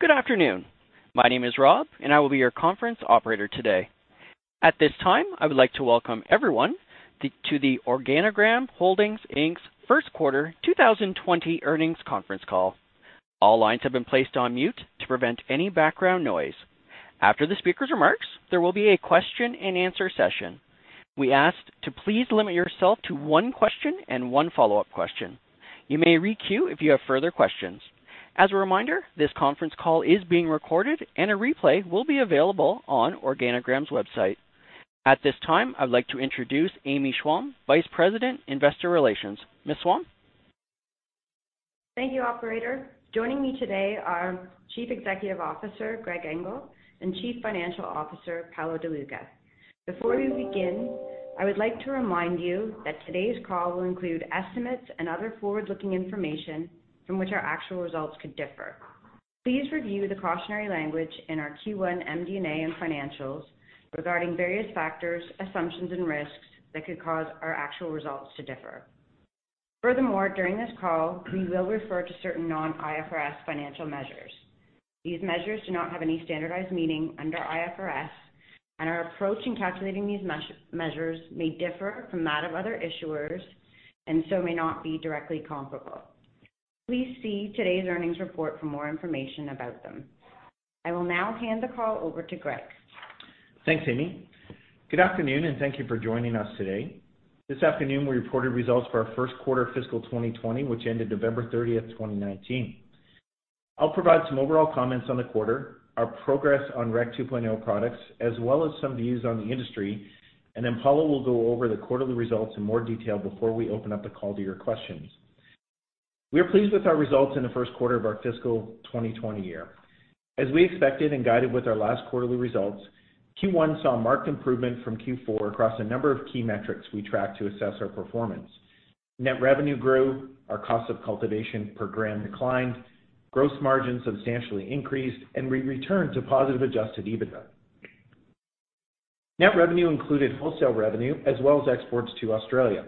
Good afternoon. My name is Rob, and I will be your conference operator today. At this time, I would like to welcome everyone to the Organigram Holdings Inc.'s first quarter two thousand and twenty earnings conference call. All lines have been placed on mute to prevent any background noise. After the speaker's remarks, there will be a question-and-answer session. We ask to please limit yourself to one question and one follow-up question. You may re-queue if you have further questions. As a reminder, this conference call is being recorded and a replay will be available on OrganiGram's website. At this time, I'd like to introduce Amy Schwalm, Vice Pre sident, Investor Relations. Ms. Schwalm? Thank you, operator. Joining me today are Chief Executive Officer, Greg Engel, and Chief Financial Officer, Paolo De Luca. Before we begin, I would like to remind you that today's call will include estimates and other forward-looking information from which our actual results could differ. Please review the cautionary language in our Q1 MD&A and financials regarding various factors, assumptions, and risks that could cause our actual results to differ. Furthermore, during this call, we will refer to certain non-IFRS financial measures. These measures do not have any standardized meaning under IFRS, and our approach in calculating these measures may differ from that of other issuers and so may not be directly comparable. Please see today's earnings report for more information about them. I will now hand the call over to Greg. Thanks, Amy. Good afternoon, and thank you for joining us today. This afternoon, we reported results for our first quarter of fiscal twenty twenty, which ended November thirtieth, twenty nineteen. I'll provide some overall comments on the quarter, our progress on Rec two point zero products, as well as some views on the industry, and then Paulo will go over the quarterly results in more detail before we open up the call to your questions. We are pleased with our results in the first quarter of our fiscal twenty twenty year. As we expected and guided with our last quarterly results, Q1 saw a marked improvement from Q4 across a number of key metrics we tracked to assess our performance. Net revenue grew, our cost of cultivation per gram declined, gross margin substantially increased, and we returned to positive Adjusted EBITDA. Net revenue included wholesale revenue, as well as exports to Australia.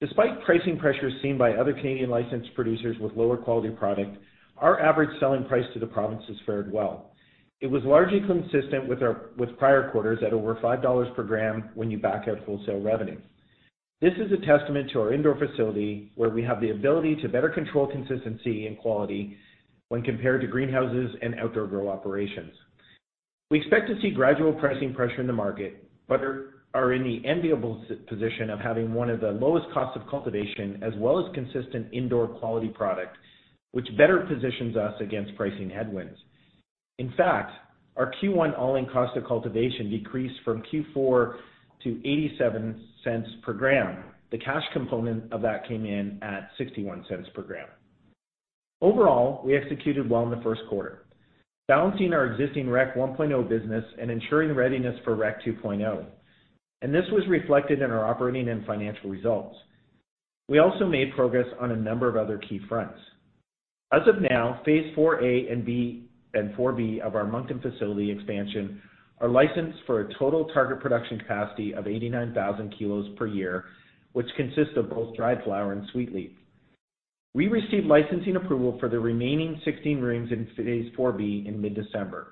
Despite pricing pressures seen by other Canadian licensed producers with lower quality product, our average selling price to the provinces fared well. It was largely consistent with our prior quarters at over 5 dollars per gram when you back out wholesale revenue. This is a testament to our indoor facility, where we have the ability to better control consistency and quality when compared to greenhouses and outdoor grow operations. We expect to see gradual pricing pressure in the market, but are in the enviable position of having one of the lowest costs of cultivation, as well as consistent indoor quality product, which better positions us against pricing headwinds. In fact, our Q1 all-in cost of cultivation decreased from Q4 to 0.87 per gram. The cash component of that came in at 0.61 per gram. Overall, we executed well in the first quarter, balancing our existing Rec 1.0 business and ensuring readiness for Rec 2.0, and this was reflected in our operating and financial results. We also made progress on a number of other key fronts. As of now, Phase 4A and 4B of our Moncton facility expansion are licensed for a total target production capacity of 89,000 kilos per year, which consists of both dried flower and sweet leaf. We received licensing approval for the remaining 16 rooms in Phase 4B in mid-December,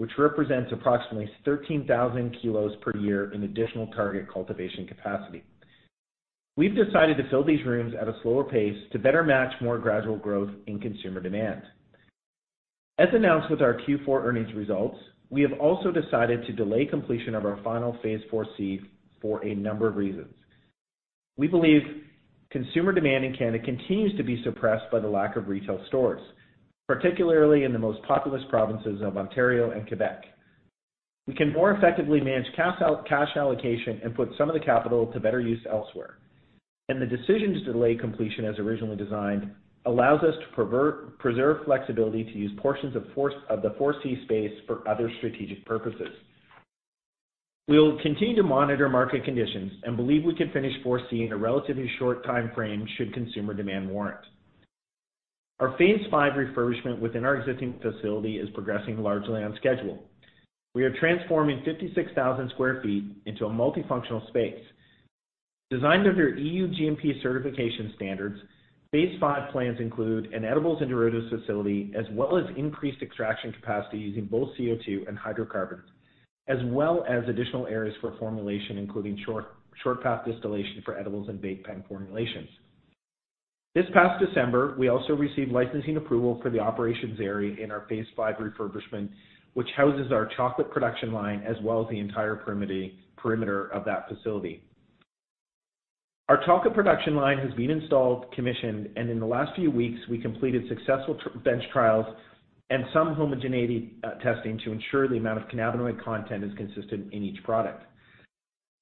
which represents approximately 13,000 kilos per year in additional target cultivation capacity. We've decided to fill these rooms at a slower pace to better match more gradual growth in consumer demand. As announced with our Q4 earnings results, we have also decided to delay completion of our final Phase four C for a number of reasons. We believe consumer demand in Canada continues to be suppressed by the lack of retail stores, particularly in the most populous provinces of Ontario and Quebec. We can more effectively manage cash all-cash allocation and put some of the capital to better use elsewhere. And the decision to delay completion, as originally designed, allows us to preserve flexibility to use portions of the four C space for other strategic purposes. We'll continue to monitor market conditions and believe we can finish four C in a relatively short timeframe should consumer demand warrant. Our Phase five refurbishment within our existing facility is progressing largely on schedule. We are transforming 56,000 sq ft into a multifunctional space. Designed under EU GMP certification standards, Phase 5 plans include an edibles and derivatives facility, as well as increased extraction capacity using both CO2 and hydrocarbons, as well as additional areas for formulation, including short path distillation for edibles and vape pen formulations. This past December, we also received licensing approval for the operations area in our Phase 5 refurbishment, which houses our chocolate production line, as well as the entire perimeter of that facility. Our chocolate production line has been installed, commissioned, and in the last few weeks, we completed successful bench trials and some homogeneity testing to ensure the amount of cannabinoid content is consistent in each product.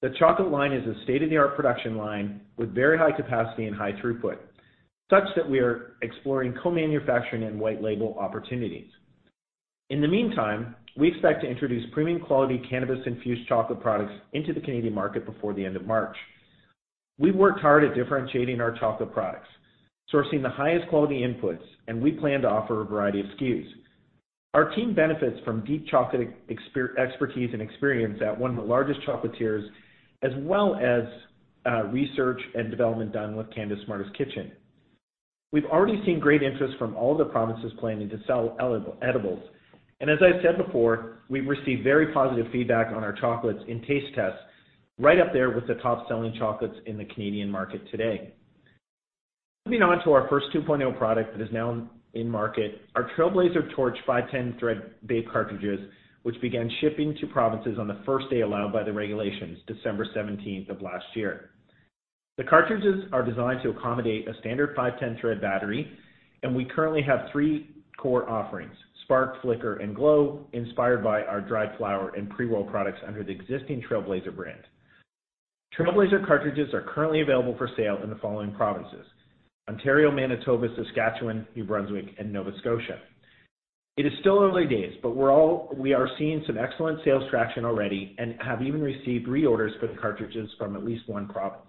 The chocolate line is a state-of-the-art production line with very high capacity and high throughput, such that we are exploring co-manufacturing and white label opportunities. In the meantime, we expect to introduce premium quality cannabis-infused chocolate products into the Canadian market before the end of March. We've worked hard at differentiating our chocolate products, sourcing the highest quality inputs, and we plan to offer a variety of SKUs. Our team benefits from deep chocolate expertise and experience at one of the largest chocolatiers, as well as research and development done with Canada's Smartest Kitchen. We've already seen great interest from all the provinces planning to sell edibles, and as I've said before, we've received very positive feedback on our chocolates in taste tests, right up there with the top-selling chocolates in the Canadian market today. Moving on to our first 2.0 product that is now in market, our Trailblazer Torch 510 thread vape cartridges, which began shipping to provinces on the first day allowed by the regulations, December seventeenth of last year. The cartridges are designed to accommodate a standard 510 thread battery, and we currently have three core offerings: Spark, Flicker and Glow, inspired by our dried flower and pre-roll products under the existing Trailblazer brand. Trailblazer cartridges are currently available for sale in the following provinces: Ontario, Manitoba, Saskatchewan, New Brunswick and Nova Scotia. It is still early days, but we are seeing some excellent sales traction already and have even received reorders for the cartridges from at least one province.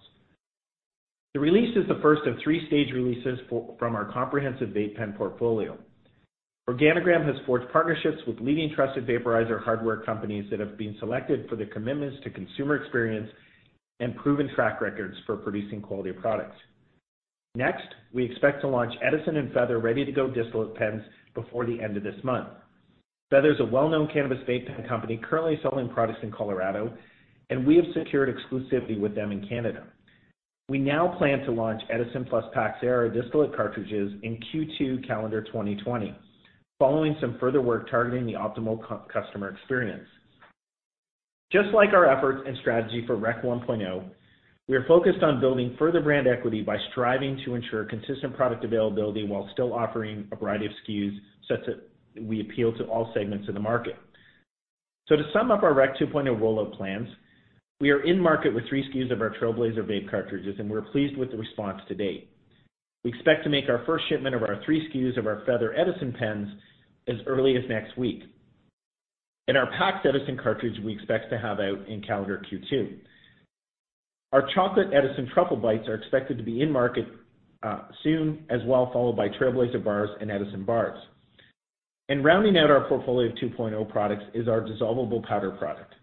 The release is the first of three-stage releases from our comprehensive vape pen portfolio. Organigram has forged partnerships with leading trusted vaporizer hardware companies that have been selected for their commitments to consumer experience and proven track records for producing quality products. Next, we expect to launch Edison and Feather ready-to-go distillate pens before the end of this month. Feather is a well-known cannabis vape pen company currently selling products in Colorado, and we have secured exclusivity with them in Canada. We now plan to launch Edison plus PAX Era distillate cartridges in Q2 calendar 2020, following some further work targeting the optimal customer experience. Just like our efforts and strategy for Rec 1.0, we are focused on building further brand equity by striving to ensure consistent product availability while still offering a variety of SKUs, such that we appeal to all segments of the market. So to sum up our Rec 2.0 rollout plans, we are in market with three SKUs of our Trailblazer vape cartridges, and we're pleased with the response to date. We expect to make our first shipment of our three SKUs of our Feather Edison pens as early as next week. In our PAX Edison cartridge, we expect to have out in calendar Q2. Our chocolate Edison Truffle Bites are expected to be in market soon as well, followed by Trailblazer Bars and Edison Bars. And rounding out our portfolio of 2.0 products is our dissolvable powder product.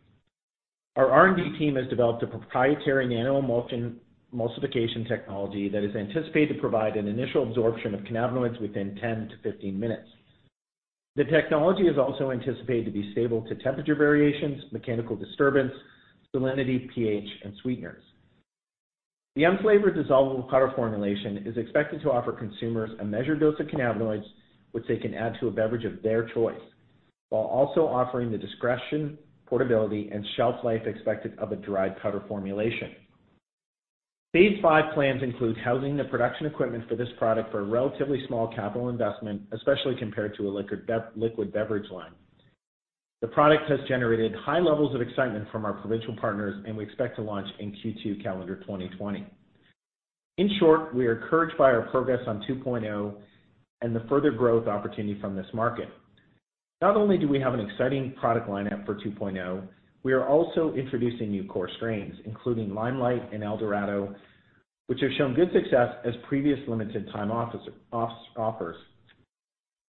Our R&D team has developed a proprietary nanoemulsion emulsification technology that is anticipated to provide an initial absorption of cannabinoids within 10 to 15 minutes. The technology is also anticipated to be stable to temperature variations, mechanical disturbance, salinity, pH, and sweeteners. The unflavored dissolvable powder formulation is expected to offer consumers a measured dose of cannabinoids, which they can add to a beverage of their choice, while also offering the discretion, portability, and shelf life expected of a dried powder formulation. Phase five plans include housing the production equipment for this product for a relatively small capital investment, especially compared to a liquor liquid beverage line. The product has generated high levels of excitement from our provincial partners, and we expect to launch in Q2 calendar 2020. In short, we are encouraged by our progress on 2.0 and the further growth opportunity from this market. Not only do we have an exciting product lineup for 2.0, we are also introducing new core strains, including Limelight and El Dorado, which have shown good success as previous limited time offers.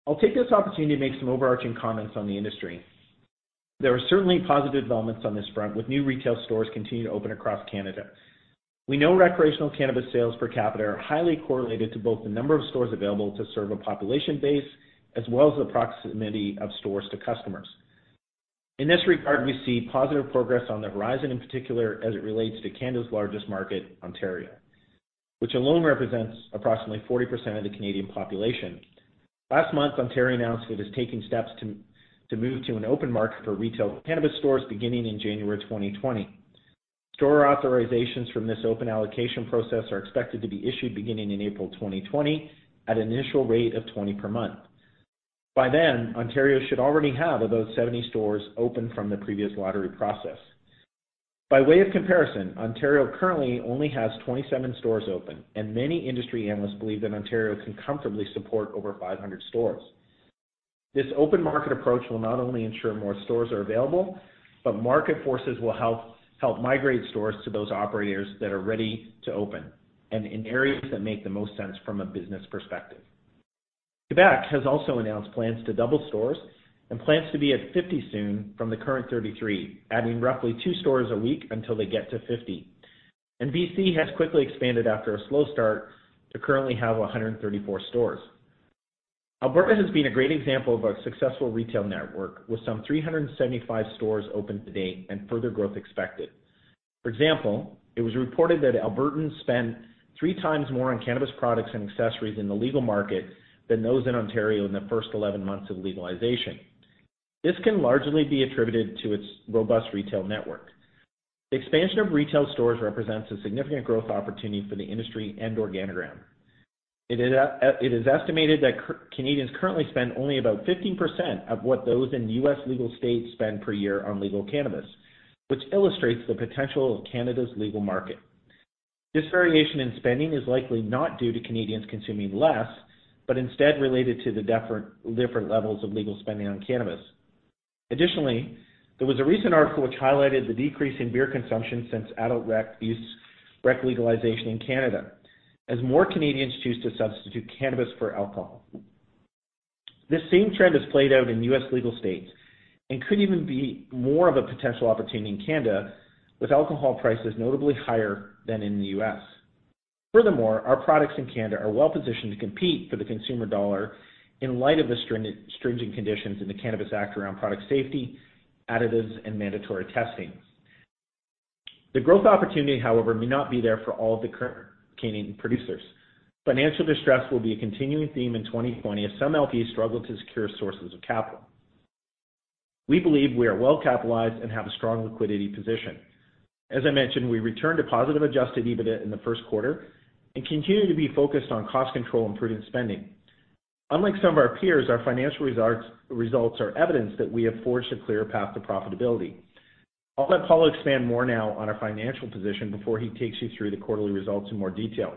I'll take this opportunity to make some overarching comments on the industry. There are certainly positive developments on this front, with new retail stores continuing to open across Canada. We know recreational cannabis sales per capita are highly correlated to both the number of stores available to serve a population base, as well as the proximity of stores to customers. In this regard, we see positive progress on the horizon, in particular as it relates to Canada's largest market, Ontario, which alone represents approximately 40% of the Canadian population. Last month, Ontario announced it is taking steps to move to an open market for retail cannabis stores beginning in January 2020. Store authorizations from this open allocation process are expected to be issued beginning in April 2020 at an initial rate of 20 per month. By then, Ontario should already have about 70 stores open from the previous lottery process. By way of comparison, Ontario currently only has 27 stores open, and many industry analysts believe that Ontario can comfortably support over 500 stores. This open market approach will not only ensure more stores are available, but market forces will help migrate stores to those operators that are ready to open and in areas that make the most sense from a business perspective. Quebec has also announced plans to double stores and plans to be at 50 soon from the current 33, adding roughly two stores a week until they get to 50. And BC has quickly expanded after a slow start to currently have 134 stores. Alberta has been a great example of a successful retail network, with some 375 stores open to date and further growth expected. For example, it was reported that Albertans spent three times more on cannabis products and accessories in the legal market than those in Ontario in the first 11 months of legalization. This can largely be attributed to its robust retail network. The expansion of retail stores represents a significant growth opportunity for the industry and OrganiGram. It is estimated that Canadians currently spend only about 15% of what those in U.S. legal states spend per year on legal cannabis, which illustrates the potential of Canada's legal market. This variation in spending is likely not due to Canadians consuming less, but instead related to the different levels of legal spending on cannabis. Additionally, there was a recent article which highlighted the decrease in beer consumption since adult rec legalization in Canada as more Canadians choose to substitute cannabis for alcohol. This same trend is played out in U.S. legal states and could even be more of a potential opportunity in Canada, with alcohol prices notably higher than in the U.S. Furthermore, our products in Canada are well-positioned to compete for the consumer dollar in light of the stringent conditions in the Cannabis Act around product safety, additives, and mandatory testing. The growth opportunity, however, may not be there for all of the current Canadian producers. Financial distress will be a continuing theme in 2020, as some LPs struggle to secure sources of capital. We believe we are well capitalized and have a strong liquidity position. As I mentioned, we returned to positive Adjusted EBITDA in the first quarter and continue to be focused on cost control and prudent spending. Unlike some of our peers, our financial results are evidence that we have forged a clear path to profitability. I'll let Paulo expand more now on our financial position before he takes you through the quarterly results in more detail.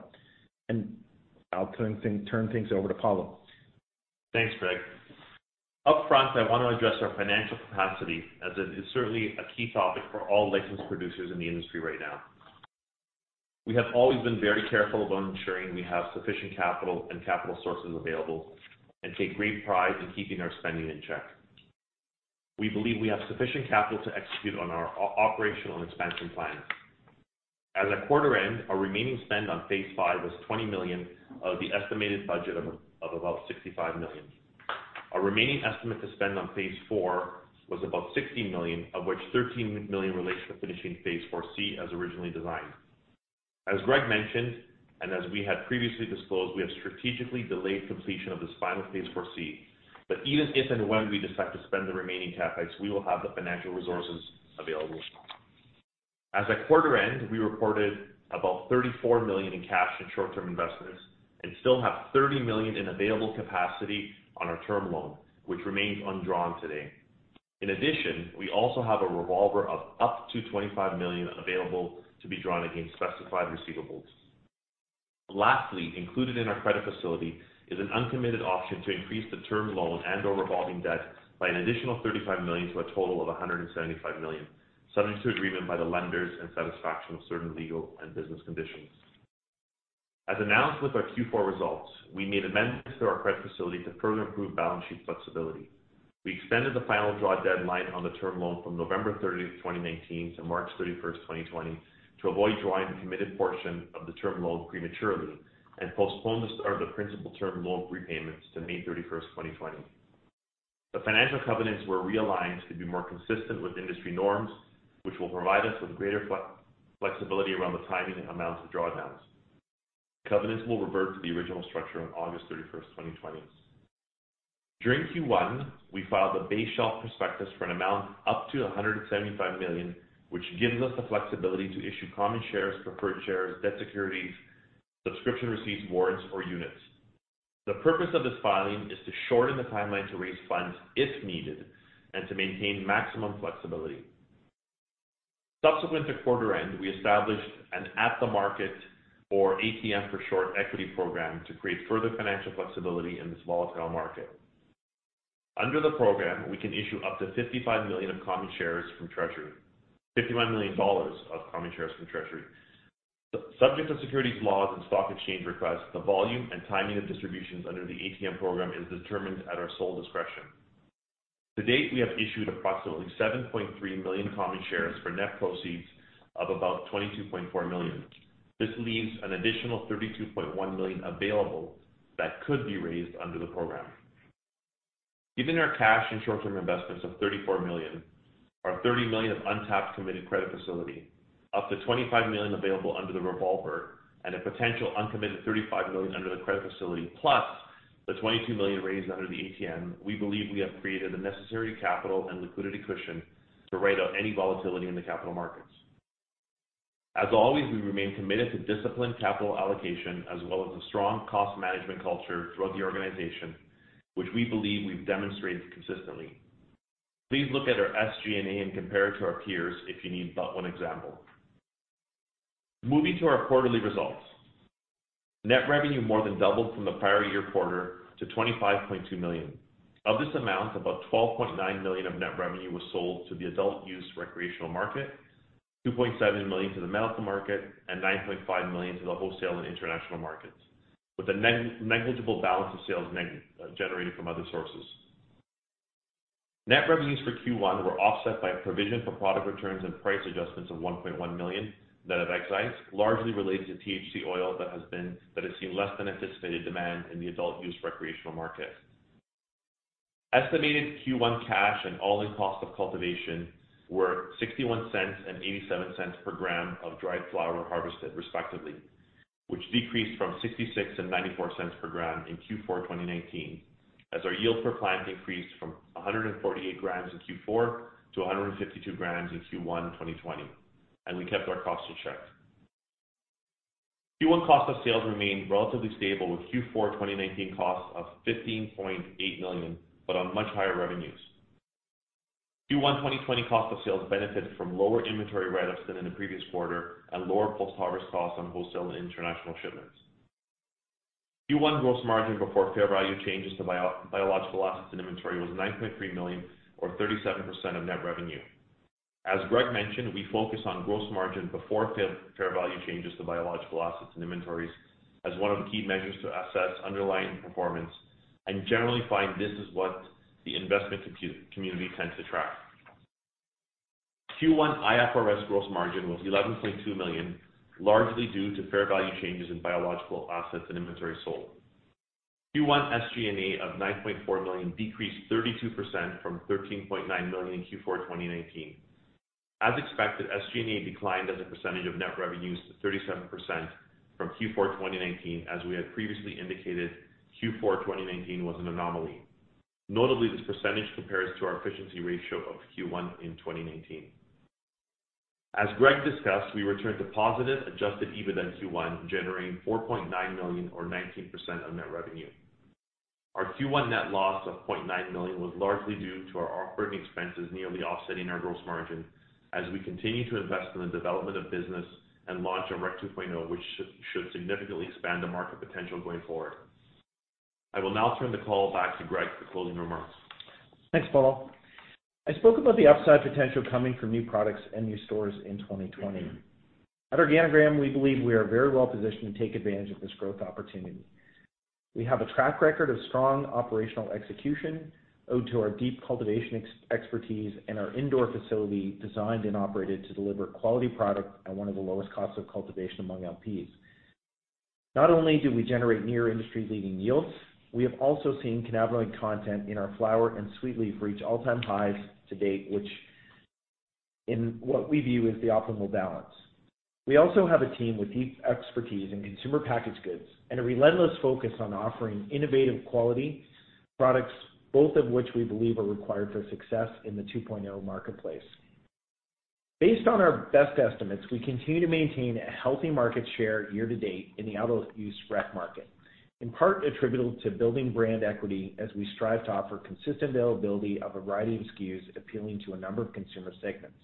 I'll turn things over to Paulo. Thanks, Greg. Up front, I want to address our financial capacity, as it is certainly a key topic for all licensed producers in the industry right now. We have always been very careful about ensuring we have sufficient capital and capital sources available, and take great pride in keeping our spending in check. We believe we have sufficient capital to execute on our operational expansion plans. As at quarter end, our remaining spend on phase five was 20 million of the estimated budget of about 65 million. Our remaining estimate to spend on phase four was about 16 million, of which 13 million relates to finishing phase four C, as originally designed. As Greg mentioned, and as we had previously disclosed, we have strategically delayed completion of this final phase four C, but even if and when we decide to spend the remaining CapEx, we will have the financial resources available. As at quarter end, we reported about CAD 34 million in cash and short-term investments and still have CAD 30 million in available capacity on our term loan, which remains undrawn today. In addition, we also have a revolver of up to 25 million available to be drawn against specified receivables. Lastly, included in our credit facility is an uncommitted option to increase the term loan and/or revolving debt by an additional 35 million to a total of 175 million, subject to agreement by the lenders and satisfaction of certain legal and business conditions. As announced with our Q4 results, we made amendments to our credit facility to further improve balance sheet flexibility. We extended the final draw deadline on the term loan from November thirtieth, twenty nineteen to March thirty-first, twenty twenty, to avoid drawing the committed portion of the term loan prematurely and postpone the principal term loan repayments to May thirty-first, twenty twenty. The financial covenants were realigned to be more consistent with industry norms, which will provide us with greater flexibility around the timing and amounts of drawdowns. Covenants will revert to the original structure on August thirty-first, twenty twenty. During Q1, we filed a base shelf prospectus for an amount up to a hundred and seventy-five million, which gives us the flexibility to issue common shares, preferred shares, debt securities, subscription receipts, warrants, or units. The purpose of this filing is to shorten the timeline to raise funds, if needed, and to maintain maximum flexibility. Subsequent to quarter end, we established an at-the-market, or ATM for short, equity program to create further financial flexibility in this volatile market. Under the program, we can issue up to 55 million of common shares from treasury, 55 million dollars of common shares from treasury. Subject to securities laws and stock exchange requests, the volume and timing of distributions under the ATM program is determined at our sole discretion. To date, we have issued approximately 7.3 million common shares for net proceeds of about 22.4 million. This leaves an additional 32.1 million available that could be raised under the program. Given our cash and short-term investments of 34 million, our 30 million of untapped committed credit facility, up to 25 million available under the revolver, and a potential uncommitted 35 million under the credit facility, plus the 22 million raised under the ATM, we believe we have created the necessary capital and liquidity cushion to ride out any volatility in the capital markets. As always, we remain committed to disciplined capital allocation, as well as a strong cost management culture throughout the organization, which we believe we've demonstrated consistently. Please look at our SG&A and compare it to our peers if you need but one example. Moving to our quarterly results. Net revenue more than doubled from the prior year quarter to 25.2 million. Of this amount, about 12.9 million of net revenue was sold to the adult-use recreational market, 2.7 million to the medical market, and 9.5 million to the wholesale and international markets, with a negligible balance of sales generated from other sources. Net revenues for Q1 were offset by a provision for product returns and price adjustments of 1.1 million net of excise, largely related to THC oil that has seen less than anticipated demand in the adult-use recreational market. Estimated Q1 cash and all-in cost of cultivation were 0.61 and 0.87 per gram of dried flower harvested, respectively, which decreased from 0.66 and 0.94 per gram in Q4 2019, as our yield per plant increased from 148 grams in Q4 to 152 grams in Q1 2020, and we kept our costs in check. Q1 cost of sales remained relatively stable, with Q4 2019 costs of CAD 15.8 million, but on much higher revenues. Q1 2020 cost of sales benefited from lower inventory write-ups than in the previous quarter and lower post-harvest costs on wholesale and international shipments. Q1 gross margin before fair value changes to biological assets and inventory was 9.3 million, or 37% of net revenue. As Greg mentioned, we focus on gross margin before fair value changes to biological assets and inventories as one of the key measures to assess underlying performance, and generally find this is what the investment community tends to track. Q1 IFRS gross margin was 11.2 million, largely due to fair value changes in biological assets and inventory sold. Q1 SG&A of 9.4 million decreased 32% from 13.9 million in Q4 2019. As expected, SG&A declined as a percentage of net revenues to 37% from Q4 2019, as we had previously indicated. Q4 2019 was an anomaly. Notably, this percentage compares to our efficiency ratio of Q1 in 2019. As Greg discussed, we returned to positive Adjusted EBITDA in Q1, generating 4.9 million or 19% of net revenue. Our Q1 net loss of 0.9 million was largely due to our operating expenses, nearly offsetting our gross margin as we continue to invest in the development of business and launch a Rec 2.0, which should significantly expand the market potential going forward. I will now turn the call back to Greg for closing remarks. Thanks, Paulo. I spoke about the upside potential coming from new products and new stores in 2020. At OrganiGram, we believe we are very well positioned to take advantage of this growth opportunity. We have a track record of strong operational execution, due to our deep cultivation expertise and our indoor facility, designed and operated to deliver quality product at one of the lowest cost of cultivation among LPs. Not only do we generate near industry-leading yields, we have also seen cannabinoid content in our flower and sweet leaf reach all-time highs to date, which in what we view is the optimal balance. We also have a team with deep expertise in consumer packaged goods and a relentless focus on offering innovative quality products, both of which we believe are required for success in the 2.0 marketplace. Based on our best estimates, we continue to maintain a healthy market share year to date in the adult use rec market, in part attributable to building brand equity as we strive to offer consistent availability of a variety of SKUs appealing to a number of consumer segments.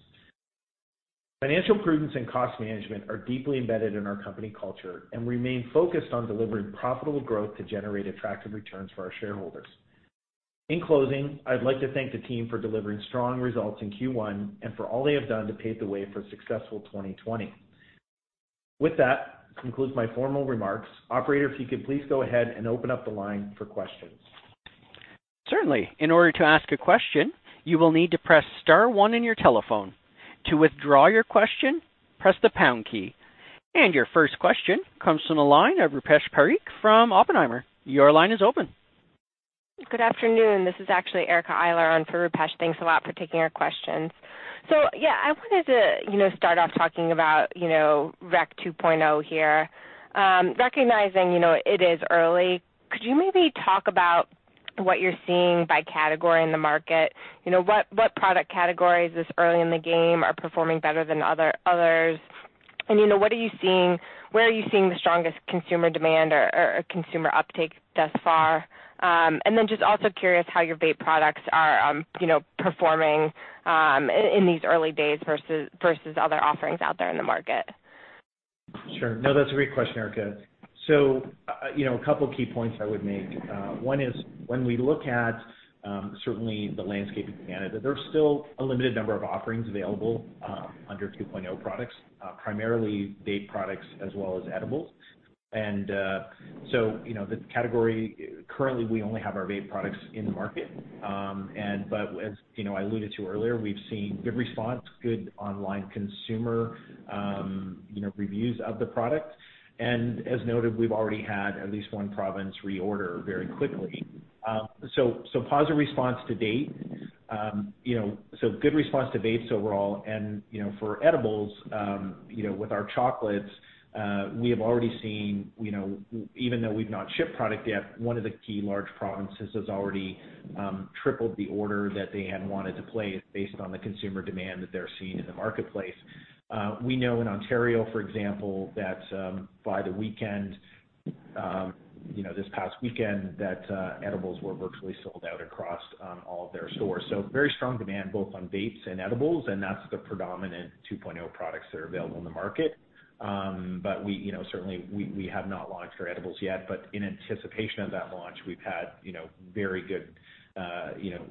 Financial prudence and cost management are deeply embedded in our company culture and remain focused on delivering profitable growth to generate attractive returns for our shareholders. In closing, I'd like to thank the team for delivering strong results in Q1 and for all they have done to pave the way for a successful 2020. With that, this concludes my formal remarks. Operator, if you could please go ahead and open up the line for questions. Certainly. In order to ask a question, you will need to press star one in your telephone. To withdraw your question, press the pound key. And your first question comes from the line of Rupesh Parikh from Oppenheimer. Your line is open. Good afternoon. This is actually Erika Eiler on for Rupesh. Thanks a lot for taking our questions. So, yeah, I wanted to, you know, start off talking about, you know, Rec 2.0 here. Recognizing, you know, it is early, could you maybe talk about what you're seeing by category in the market? You know, what product categories this early in the game are performing better than others? And, you know, what are you seeing, where are you seeing the strongest consumer demand or consumer uptake thus far? And then just also curious how your vape products are, you know, performing in these early days versus other offerings out there in the market. Sure. No, that's a great question, Erika. So, you know, a couple key points I would make. One is when we look at, certainly the landscape of Canada, there's still a limited number of offerings available, under 2.0 products, primarily vape products as well as edibles. And, so, you know, the category... Currently, we only have our vape products in the market. And but as, you know, I alluded to earlier, we've seen good response, good online consumer, you know, reviews of the product. And as noted, we've already had at least one province reorder very quickly. So, so positive response to date. You know, so good response to vapes overall. And, you know, for edibles, you know, with our chocolates, we have already seen, you know, even though we've not shipped product yet, one of the key large provinces has already tripled the order that they had wanted to place based on the consumer demand that they're seeing in the marketplace. We know in Ontario, for example, that, by the weekend, you know, this past weekend, that, edibles were virtually sold out across all of their stores. So very strong demand both on vapes and edibles, and that's the predominant 2.0 products that are available in the market. But we, you know, certainly, have not launched our edibles yet, but in anticipation of that launch, we've had, you know, very good, you know,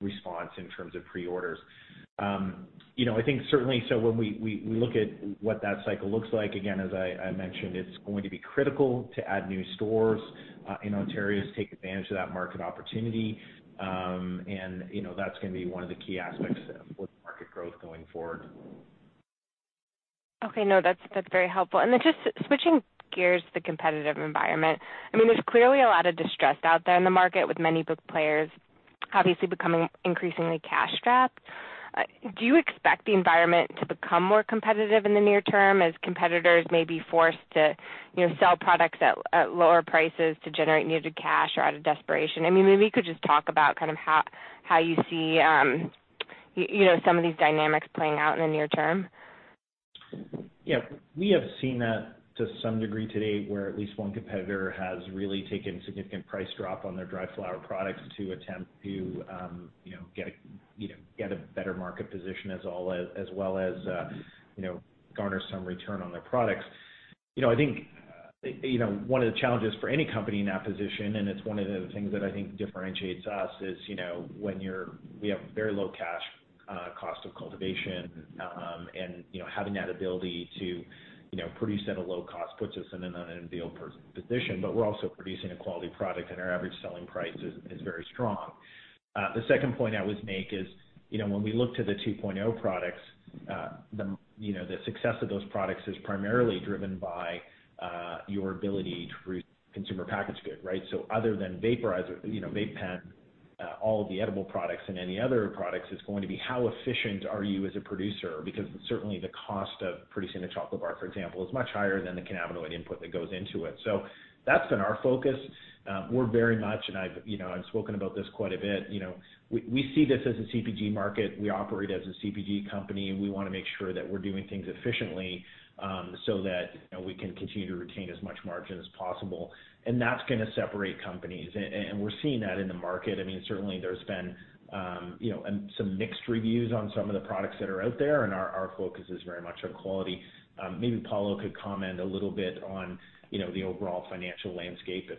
response in terms of pre-orders. You know, I think certainly, so when we look at what that cycle looks like, again, as I mentioned, it's going to be critical to add new stores in Ontario to take advantage of that market opportunity. And, you know, that's gonna be one of the key aspects of what market growth going forward. Okay. No, that's very helpful. And then just switching gears to the competitive environment. I mean, there's clearly a lot of distress out there in the market, with many big players obviously becoming increasingly cash strapped. Do you expect the environment to become more competitive in the near term, as competitors may be forced to, you know, sell products at lower prices to generate needed cash or out of desperation? I mean, maybe you could just talk about kind of how you see, you know, some of these dynamics playing out in the near term. Yeah. We have seen that to some degree today, where at least one competitor has really taken significant price drop on their dried flower products to attempt to, you know, get a better market position as well as, you know, garner some return on their products. You know, I think-... you know, one of the challenges for any company in that position, and it's one of the things that I think differentiates us, is, you know, we have very low cash cost of cultivation, and, you know, having that ability to, you know, produce at a low cost puts us in an enviable position. But we're also producing a quality product, and our average selling price is very strong. The second point I would make is, you know, when we look to the two point O products, the, you know, the success of those products is primarily driven by your ability to produce consumer packaged goods, right? So other than vaporizer, you know, vape pen, all of the edible products and any other products, it's going to be how efficient are you as a producer? Because certainly, the cost of producing a chocolate bar, for example, is much higher than the cannabinoid input that goes into it. So that's been our focus. We're very much, and I've, you know, I've spoken about this quite a bit, you know, we, we see this as a CPG market. We operate as a CPG company, and we wanna make sure that we're doing things efficiently, so that, you know, we can continue to retain as much margin as possible. And that's gonna separate companies. And, and we're seeing that in the market. I mean, certainly there's been, you know, and some mixed reviews on some of the products that are out there, and our, our focus is very much on quality. Maybe Paulo could comment a little bit on, you know, the overall financial landscape if,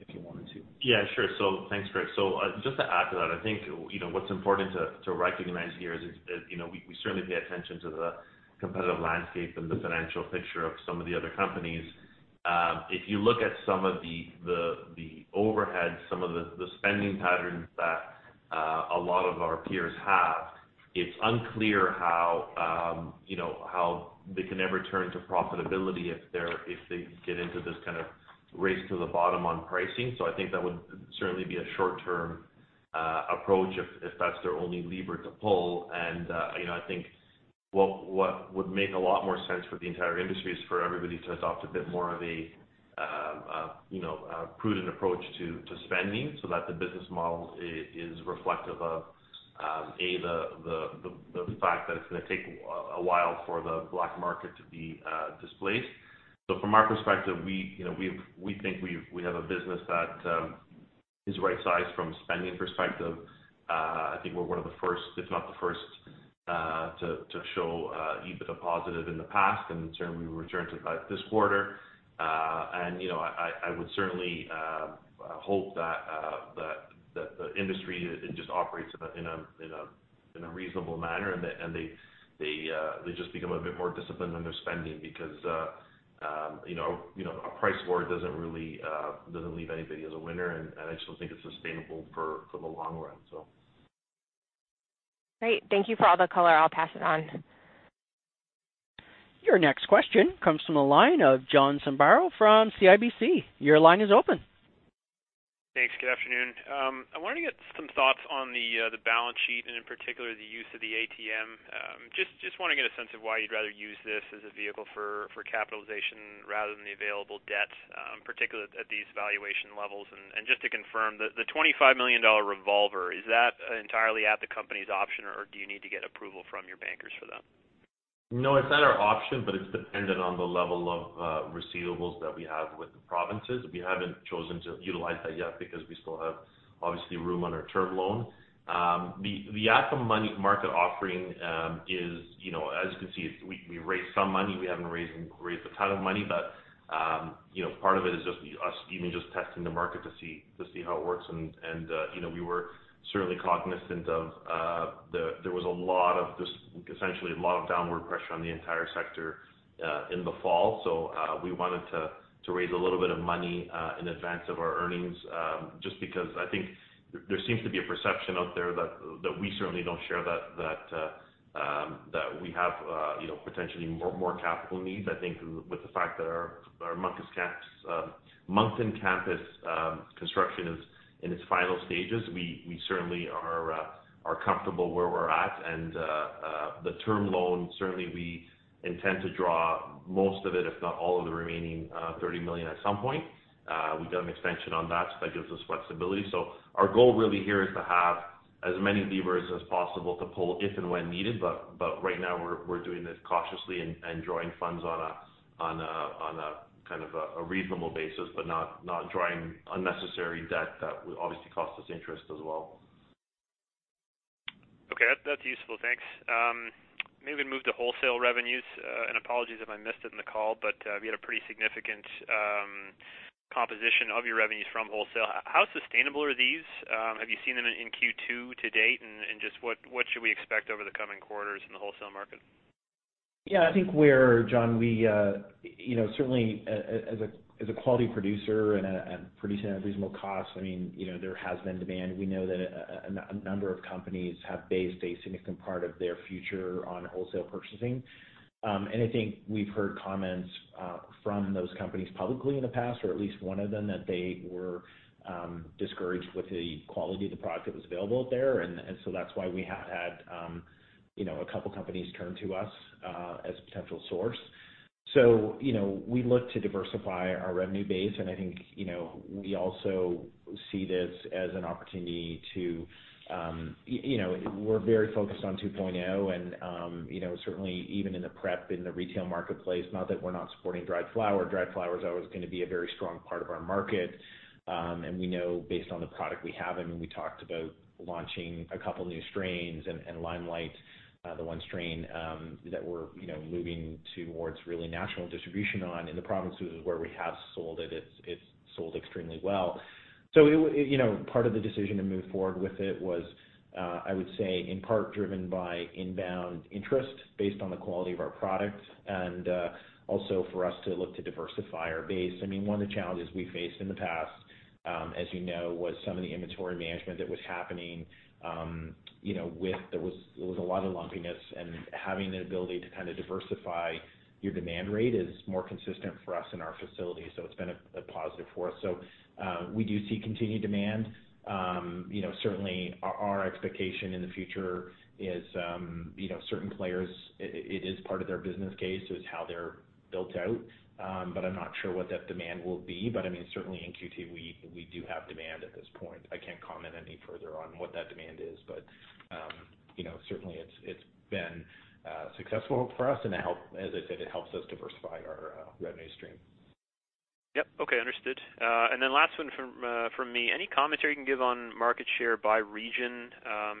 if you wanted to. Yeah, sure. So thanks, Greg. So, just to add to that, I think, you know, what's important to recognize here is, you know, we certainly pay attention to the competitive landscape and the financial picture of some of the other companies. If you look at some of the overhead, some of the spending patterns that a lot of our peers have, it's unclear how, you know, how they can ever turn to profitability if they get into this kind of race to the bottom on pricing. So I think that would certainly be a short-term approach if that's their only lever to pull. You know, I think what would make a lot more sense for the entire industry is for everybody to adopt a bit more of a, you know, a prudent approach to spending, so that the business model is reflective of, the fact that it's gonna take a while for the black market to be displaced. So from our perspective, you know, we think we have a business that is right sized from a spending perspective. I think we're one of the first, if not the first, to show EBITDA positive in the past, and certainly we return to that this quarter. You know, I would certainly hope that the industry just operates in a reasonable manner, and they just become a bit more disciplined in their spending. Because you know, a price war doesn't really leave anybody as a winner, and I just don't think it's sustainable for the long run, so. Great. Thank you for all the color. I'll pass it on. Your next question comes from the line of John Zamparo from CIBC. Your line is open. Thanks. Good afternoon. I wanted to get some thoughts on the balance sheet, and in particular, the use of the ATM. Just, just wanna get a sense of why you'd rather use this as a vehicle for capitalization rather than the available debt, particularly at these valuation levels. And just to confirm, the $25 million revolver, is that entirely at the company's option, or do you need to get approval from your bankers for that? No, it's not our option, but it's dependent on the level of receivables that we have with the provinces. We haven't chosen to utilize that yet because we still have, obviously, room on our term loan. The at-the-market offering, you know, as you can see, it's, we raised some money. We haven't raised a ton of money, but, you know, part of it is just us even just testing the market to see how it works. And, you know, we were certainly cognizant of the... There was a lot of this, essentially, a lot of downward pressure on the entire sector, in the fall. We wanted to raise a little bit of money in advance of our earnings, just because I think there seems to be a perception out there that we certainly don't share, that we have, you know, potentially more capital needs. I think with the fact that our Moncton campus construction is in its final stages, we certainly are comfortable where we're at. The term loan, certainly, we intend to draw most of it, if not all of the remaining 30 million at some point. We've got an extension on that, so that gives us flexibility. So our goal really here is to have as many levers as possible to pull if and when needed, but right now we're doing this cautiously and drawing funds on a kind of reasonable basis, but not drawing unnecessary debt that will obviously cost us interest as well. Okay. That's, that's useful. Thanks. Maybe move to wholesale revenues. And apologies if I missed it in the call, but we had a pretty significant composition of your revenues from wholesale. How sustainable are these? Have you seen them in Q2 to date? And just what should we expect over the coming quarters in the wholesale market? Yeah, I think where, John, we, you know, certainly as a quality producer and producing at a reasonable cost, I mean, you know, there has been demand. We know that a number of companies have based a significant part of their future on wholesale purchasing. And I think we've heard comments from those companies publicly in the past, or at least one of them, that they were discouraged with the quality of the product that was available out there. And so that's why we have had, you know, a couple companies turn to us as a potential source. So, you know, we look to diversify our revenue base, and I think, you know, we also see this as an opportunity to, you know, we're very focused on two point O, and, you know, certainly even in the pre-roll, in the retail marketplace, not that we're not supporting dried flower. Dried flower is always gonna be a very strong part of our market. And we know based on the product we have, I mean, we talked about launching a couple new strains, and Limelight, the one strain, that we're, you know, moving towards really national distribution on in the provinces where we have sold it, it's sold extremely well. So, you know, part of the decision to move forward with it was. I would say, in part, driven by inbound interest based on the quality of our product and also for us to look to diversify our base. I mean, one of the challenges we faced in the past, as you know, was some of the inventory management that was happening, you know, with. There was a lot of lumpiness, and having the ability to kind of diversify your demand rate is more consistent for us in our facility. It's been a positive for us, so we do see continued demand. You know, certainly our expectation in the future is, you know, certain players, it is part of their business case. So it's how they're built out. But I'm not sure what that demand will be. But I mean, certainly in Q2, we do have demand at this point. I can't comment any further on what that demand is, but you know, certainly, it's been successful for us, and as I said, it helps us diversify our revenue stream. Yep. Okay, understood. And then last one from me. Any commentary you can give on market share by region,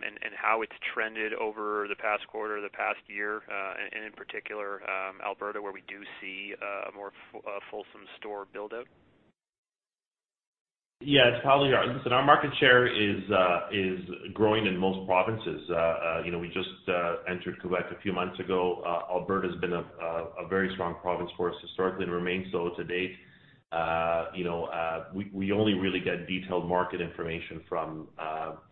and how it's trended over the past quarter or the past year, and in particular, Alberta, where we do see more fulsome store build-out? Yeah, it's probably our... Listen, our market share is growing in most provinces. You know, we just entered Quebec a few months ago. Alberta has been a very strong province for us historically and remains so to date. You know, we only really get detailed market information from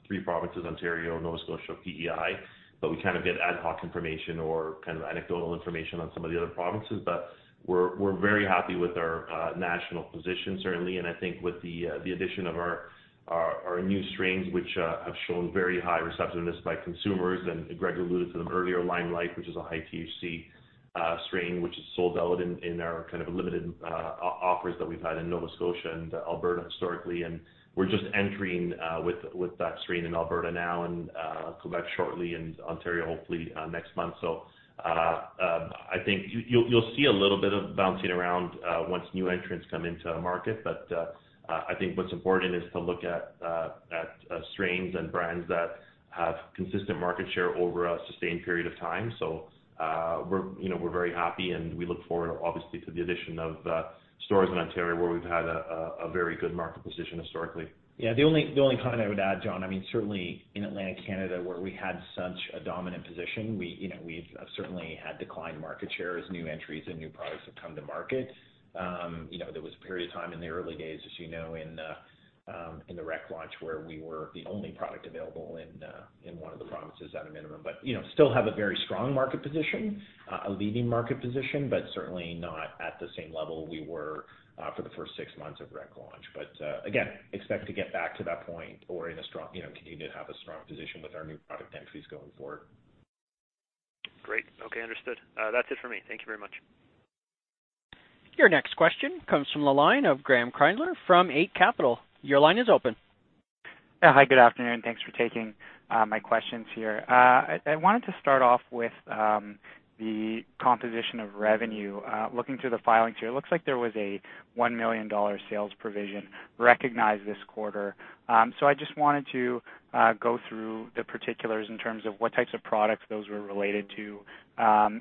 three provinces, Ontario, Nova Scotia, PEI, but we kind of get ad hoc information or kind of anecdotal information on some of the other provinces. But we're very happy with our national position, certainly. I think with the addition of our new strains, which have shown very high receptiveness by consumers, and Greg alluded to them earlier, Limelight, which is a high THC strain, which has sold out in our kind of limited offers that we've had in Nova Scotia and Alberta historically. We're just entering with that strain in Alberta now and Quebec shortly and Ontario, hopefully next month. I think you'll see a little bit of bouncing around once new entrants come into the market. I think what's important is to look at strains and brands that have consistent market share over a sustained period of time. We're, you know, we're very happy, and we look forward, obviously, to the addition of stores in Ontario, where we've had a very good market position historically. Yeah, the only comment I would add, John, I mean, certainly in Atlantic Canada, where we had such a dominant position, we, you know, we've certainly had declined market share as new entries and new products have come to market. You know, there was a period of time in the early days, as you know, in the rec launch, where we were the only product available in one of the provinces at a minimum. But, you know, still have a very strong market position, a leading market position, but certainly not at the same level we were for the first six months of rec launch. But, again, expect to get back to that point or in a strong, you know, continue to have a strong position with our new product entries going forward. Great. Okay, understood. That's it for me. Thank you very much. Your next question comes from the line of Graeme Kreindler from Eight Capital. Your line is open. Yeah. Hi, good afternoon. Thanks for taking my questions here. I wanted to start off with the composition of revenue. Looking through the filings here, it looks like there was a 1 million dollar sales provision recognized this quarter. So I just wanted to go through the particulars in terms of what types of products those were related to.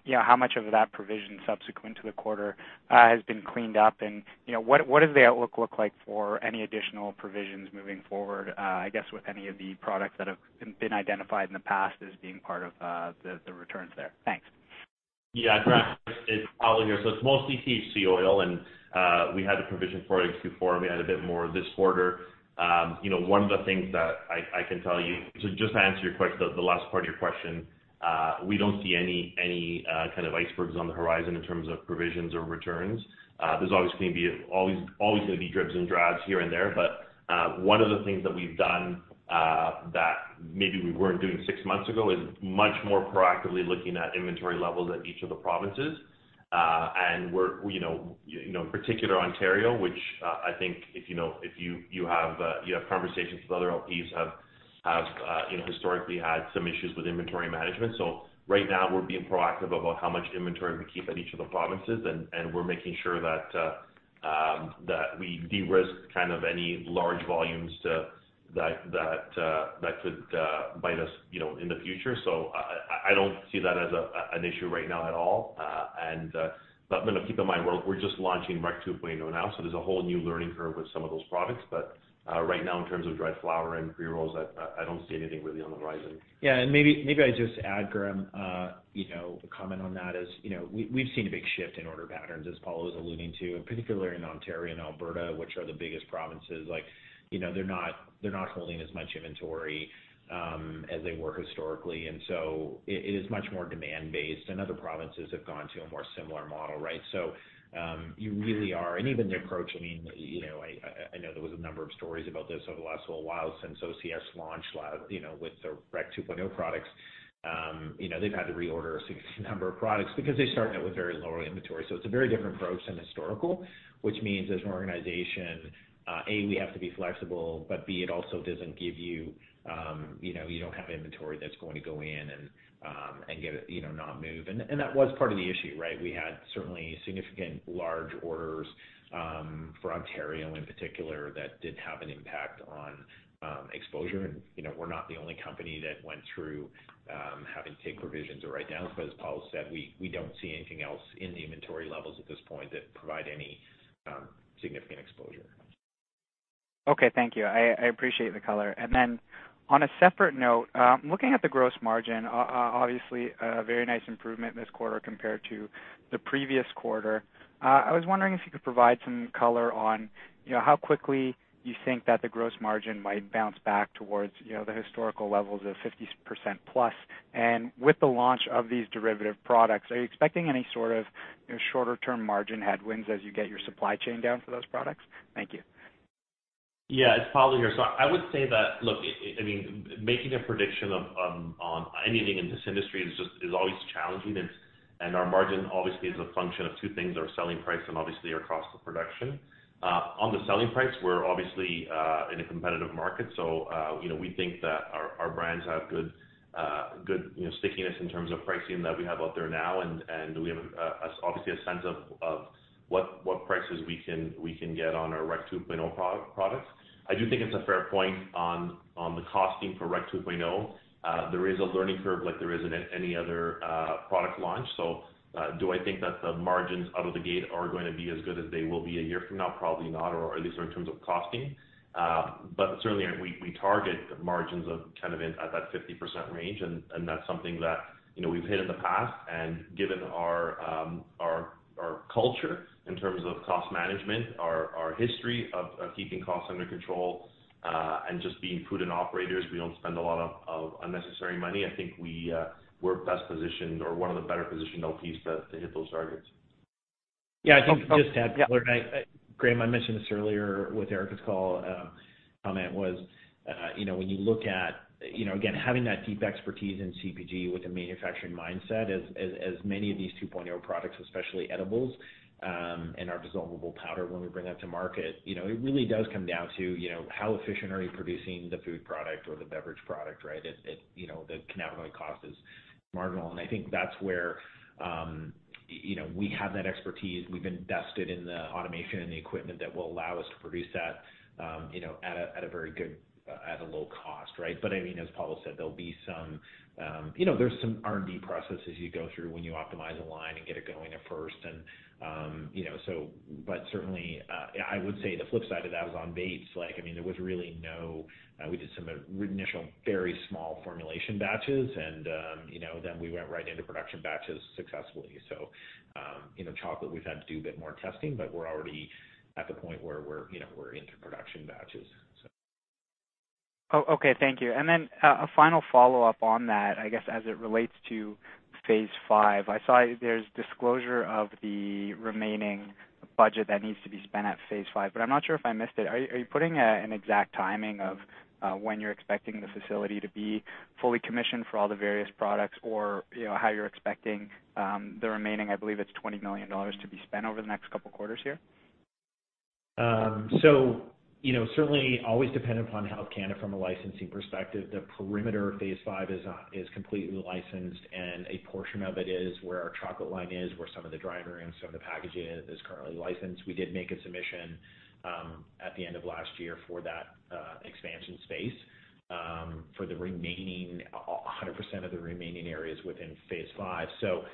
You know, how much of that provision subsequent to the quarter has been cleaned up, and, you know, what does the outlook look like for any additional provisions moving forward, I guess, with any of the products that have been identified in the past as being part of the returns there? Thanks. Yeah, Graeme, it's Paul here. So it's mostly THC oil and we had the provision for it Q4, and we had a bit more this quarter. You know, one of the things that I can tell you. So just to answer the last part of your question, we don't see any kind of icebergs on the horizon in terms of provisions or returns. There's obviously gonna be always gonna be dribs and drabs here and there, but one of the things that we've done that maybe we weren't doing six months ago is much more proactively looking at inventory levels at each of the provinces. And we're, you know, in particular, Ontario, which I think if you know, if you have conversations with other LPs, you know, historically had some issues with inventory management. So right now, we're being proactive about how much inventory we keep at each of the provinces, and we're making sure that we de-risk kind of any large volumes that could bite us, you know, in the future. So I don't see that as an issue right now at all. But you know, keep in mind, we're just launching rec 2.0 now, so there's a whole new learning curve with some of those products. But, right now, in terms of dried flower and pre-rolls, I don't see anything really on the horizon. Yeah, and maybe I just add, Graham, you know, a comment on that is, you know, we've seen a big shift in order patterns, as Paul was alluding to, particularly in Ontario and Alberta, which are the biggest provinces. Like, you know, they're not holding as much inventory as they were historically, and so it is much more demand-based, and other provinces have gone to a more similar model, right? You really are. And even the approach, I mean, you know, I know there was a number of stories about this over the last little while since OCS launched live, you know, with their Rec 2.0 products. You know, they've had to reorder a significant number of products because they started out with very low inventory. So it's a very different approach than historical, which means as an organization, A, we have to be flexible, but B, it also doesn't give you, you know, you don't have inventory that's going to go in and get, you know, not move. And that was part of the issue, right? We had certainly significant large orders for Ontario in particular, that did have an impact on exposure. And, you know, we're not the only company that went through having to take provisions or write-downs. But as Paulo said, we don't see anything else in the inventory levels at this point that provide any significant exposure. Okay, thank you. I appreciate the color. And then on a separate note, looking at the gross margin, obviously, a very nice improvement this quarter compared to the previous quarter. I was wondering if you could provide some color on, you know, how quickly you think that the gross margin might bounce back towards, you know, the historical levels of 50% plus. And with the launch of these derivative products, are you expecting any sort of, you know, shorter-term margin headwinds as you get your supply chain down for those products? Thank you. Yeah, it's Paolo here. So I would say that, look, I mean, making a prediction of on anything in this industry is always challenging, and our margin obviously is a function of two things, our selling price and obviously our cost of production. On the selling price, we're obviously in a competitive market. So, you know, we think that our brands have good stickiness in terms of pricing that we have out there now. And we have obviously a sense of what prices we can get on our Rec 2.0 products. I do think it's a fair point on the costing for Rec 2.0. There is a learning curve, like there is in any other product launch. So, do I think that the margins out of the gate are going to be as good as they will be a year from now? Probably not, or at least in terms of costing. But certainly, we target margins of kind of in, at that 50% range, and that's something that, you know, we've hit in the past. And given our culture in terms of cost management, our history of keeping costs under control, and just being prudent operators, we don't spend a lot of unnecessary money. I think we're best positioned or one of the better positioned LPs to hit those targets. Yeah, I think just to add color. Yeah. Graham, I mentioned this earlier with Erika's call, comment was, you know, when you look at, you know, again, having that deep expertise in CPG with a manufacturing mindset as, as, as many of these 2.0 products, especially edibles, and our dissolvable powder, when we bring that to market, you know, it really does come down to, you know, how efficient are you producing the food product or the beverage product, right? It, it, you know, the cannabinoid cost is marginal, and I think that's where, you know, we have that expertise. We've invested in the automation and the equipment that will allow us to produce that, you know, at a, at a very good- at a low cost, right? But I mean, as Paulo said, there'll be some... You know, there's some R&D processes you go through when you optimize a line and get it going at first. And, you know, but certainly, I would say the flip side of that was on dates. Like, I mean, there was really no... We did some initial very small formulation batches and, you know, then we went right into production batches successfully. So, you know, chocolate, we've had to do a bit more testing, but we're already at the point where we're, you know, we're into production batches, so. Oh, okay. Thank you. And then, a final follow-up on that, I guess, as it relates to Phase 5. I saw there's disclosure of the remaining budget that needs to be spent at Phase 5, but I'm not sure if I missed it. Are you putting an exact timing of when you're expecting the facility to be fully commissioned for all the various products? Or, you know, how you're expecting the remaining, I believe, it's 20 million dollars to be spent over the next couple of quarters here? So you know, certainly always dependent upon Health Canada from a licensing perspective, the perimeter of Phase 5 is completely licensed, and a portion of it is where our chocolate line is, where some of the dry rooms, some of the packaging is currently licensed. We did make a submission at the end of last year for that expansion space for the remaining 100% of the remaining areas within Phase 5. So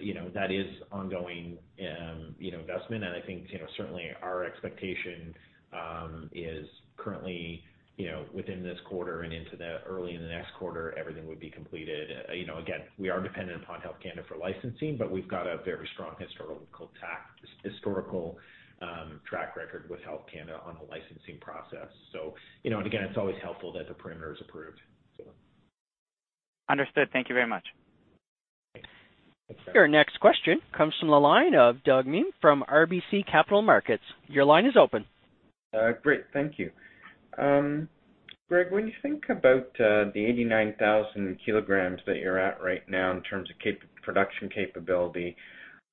you know, that is ongoing investment. And I think you know, certainly our expectation is currently you know, within this quarter and into the early in the next quarter, everything would be completed. You know, again, we are dependent upon Health Canada for licensing, but we've got a very strong historical track record with Health Canada on the licensing process. So, you know, and again, it's always helpful that the premise is approved, so. Understood. Thank you very much. Thanks. Your next question comes from the line of Douglas Miehm from RBC Capital Markets. Your line is open. Great. Thank you. Greg, when you think about the 89,000 kilograms that you're at right now in terms of capacity production capability,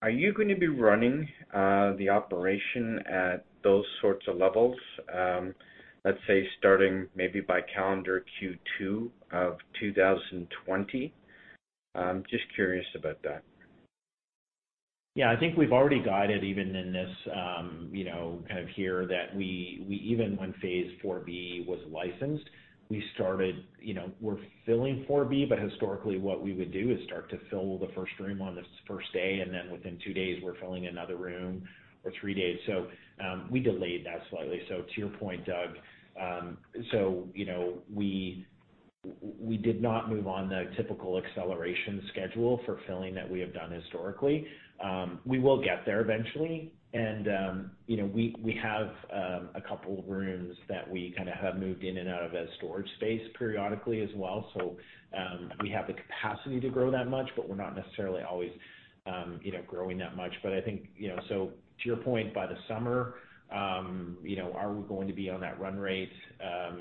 are you going to be running the operation at those sorts of levels, let's say, starting maybe by calendar Q2 of 2020? I'm just curious about that. Yeah. I think we've already guided, even in this, you know, kind of here, that we, we even when Phase 4B was licensed, we started, you know, we're filling 4B, but historically, what we would do is start to fill the first room on the first day, and then within two days, we're filling another room or three days. So, we delayed that slightly. So to your point, Doug, so you know, we. We did not move on the typical acceleration schedule for filling that we have done historically. We will get there eventually, and, you know, we, we have a couple of rooms that we kind of have moved in and out of as storage space periodically as well. So, we have the capacity to grow that much, but we're not necessarily always, you know, growing that much. But I think, you know, so to your point, by the summer, you know, are we going to be on that run rate? Yeah,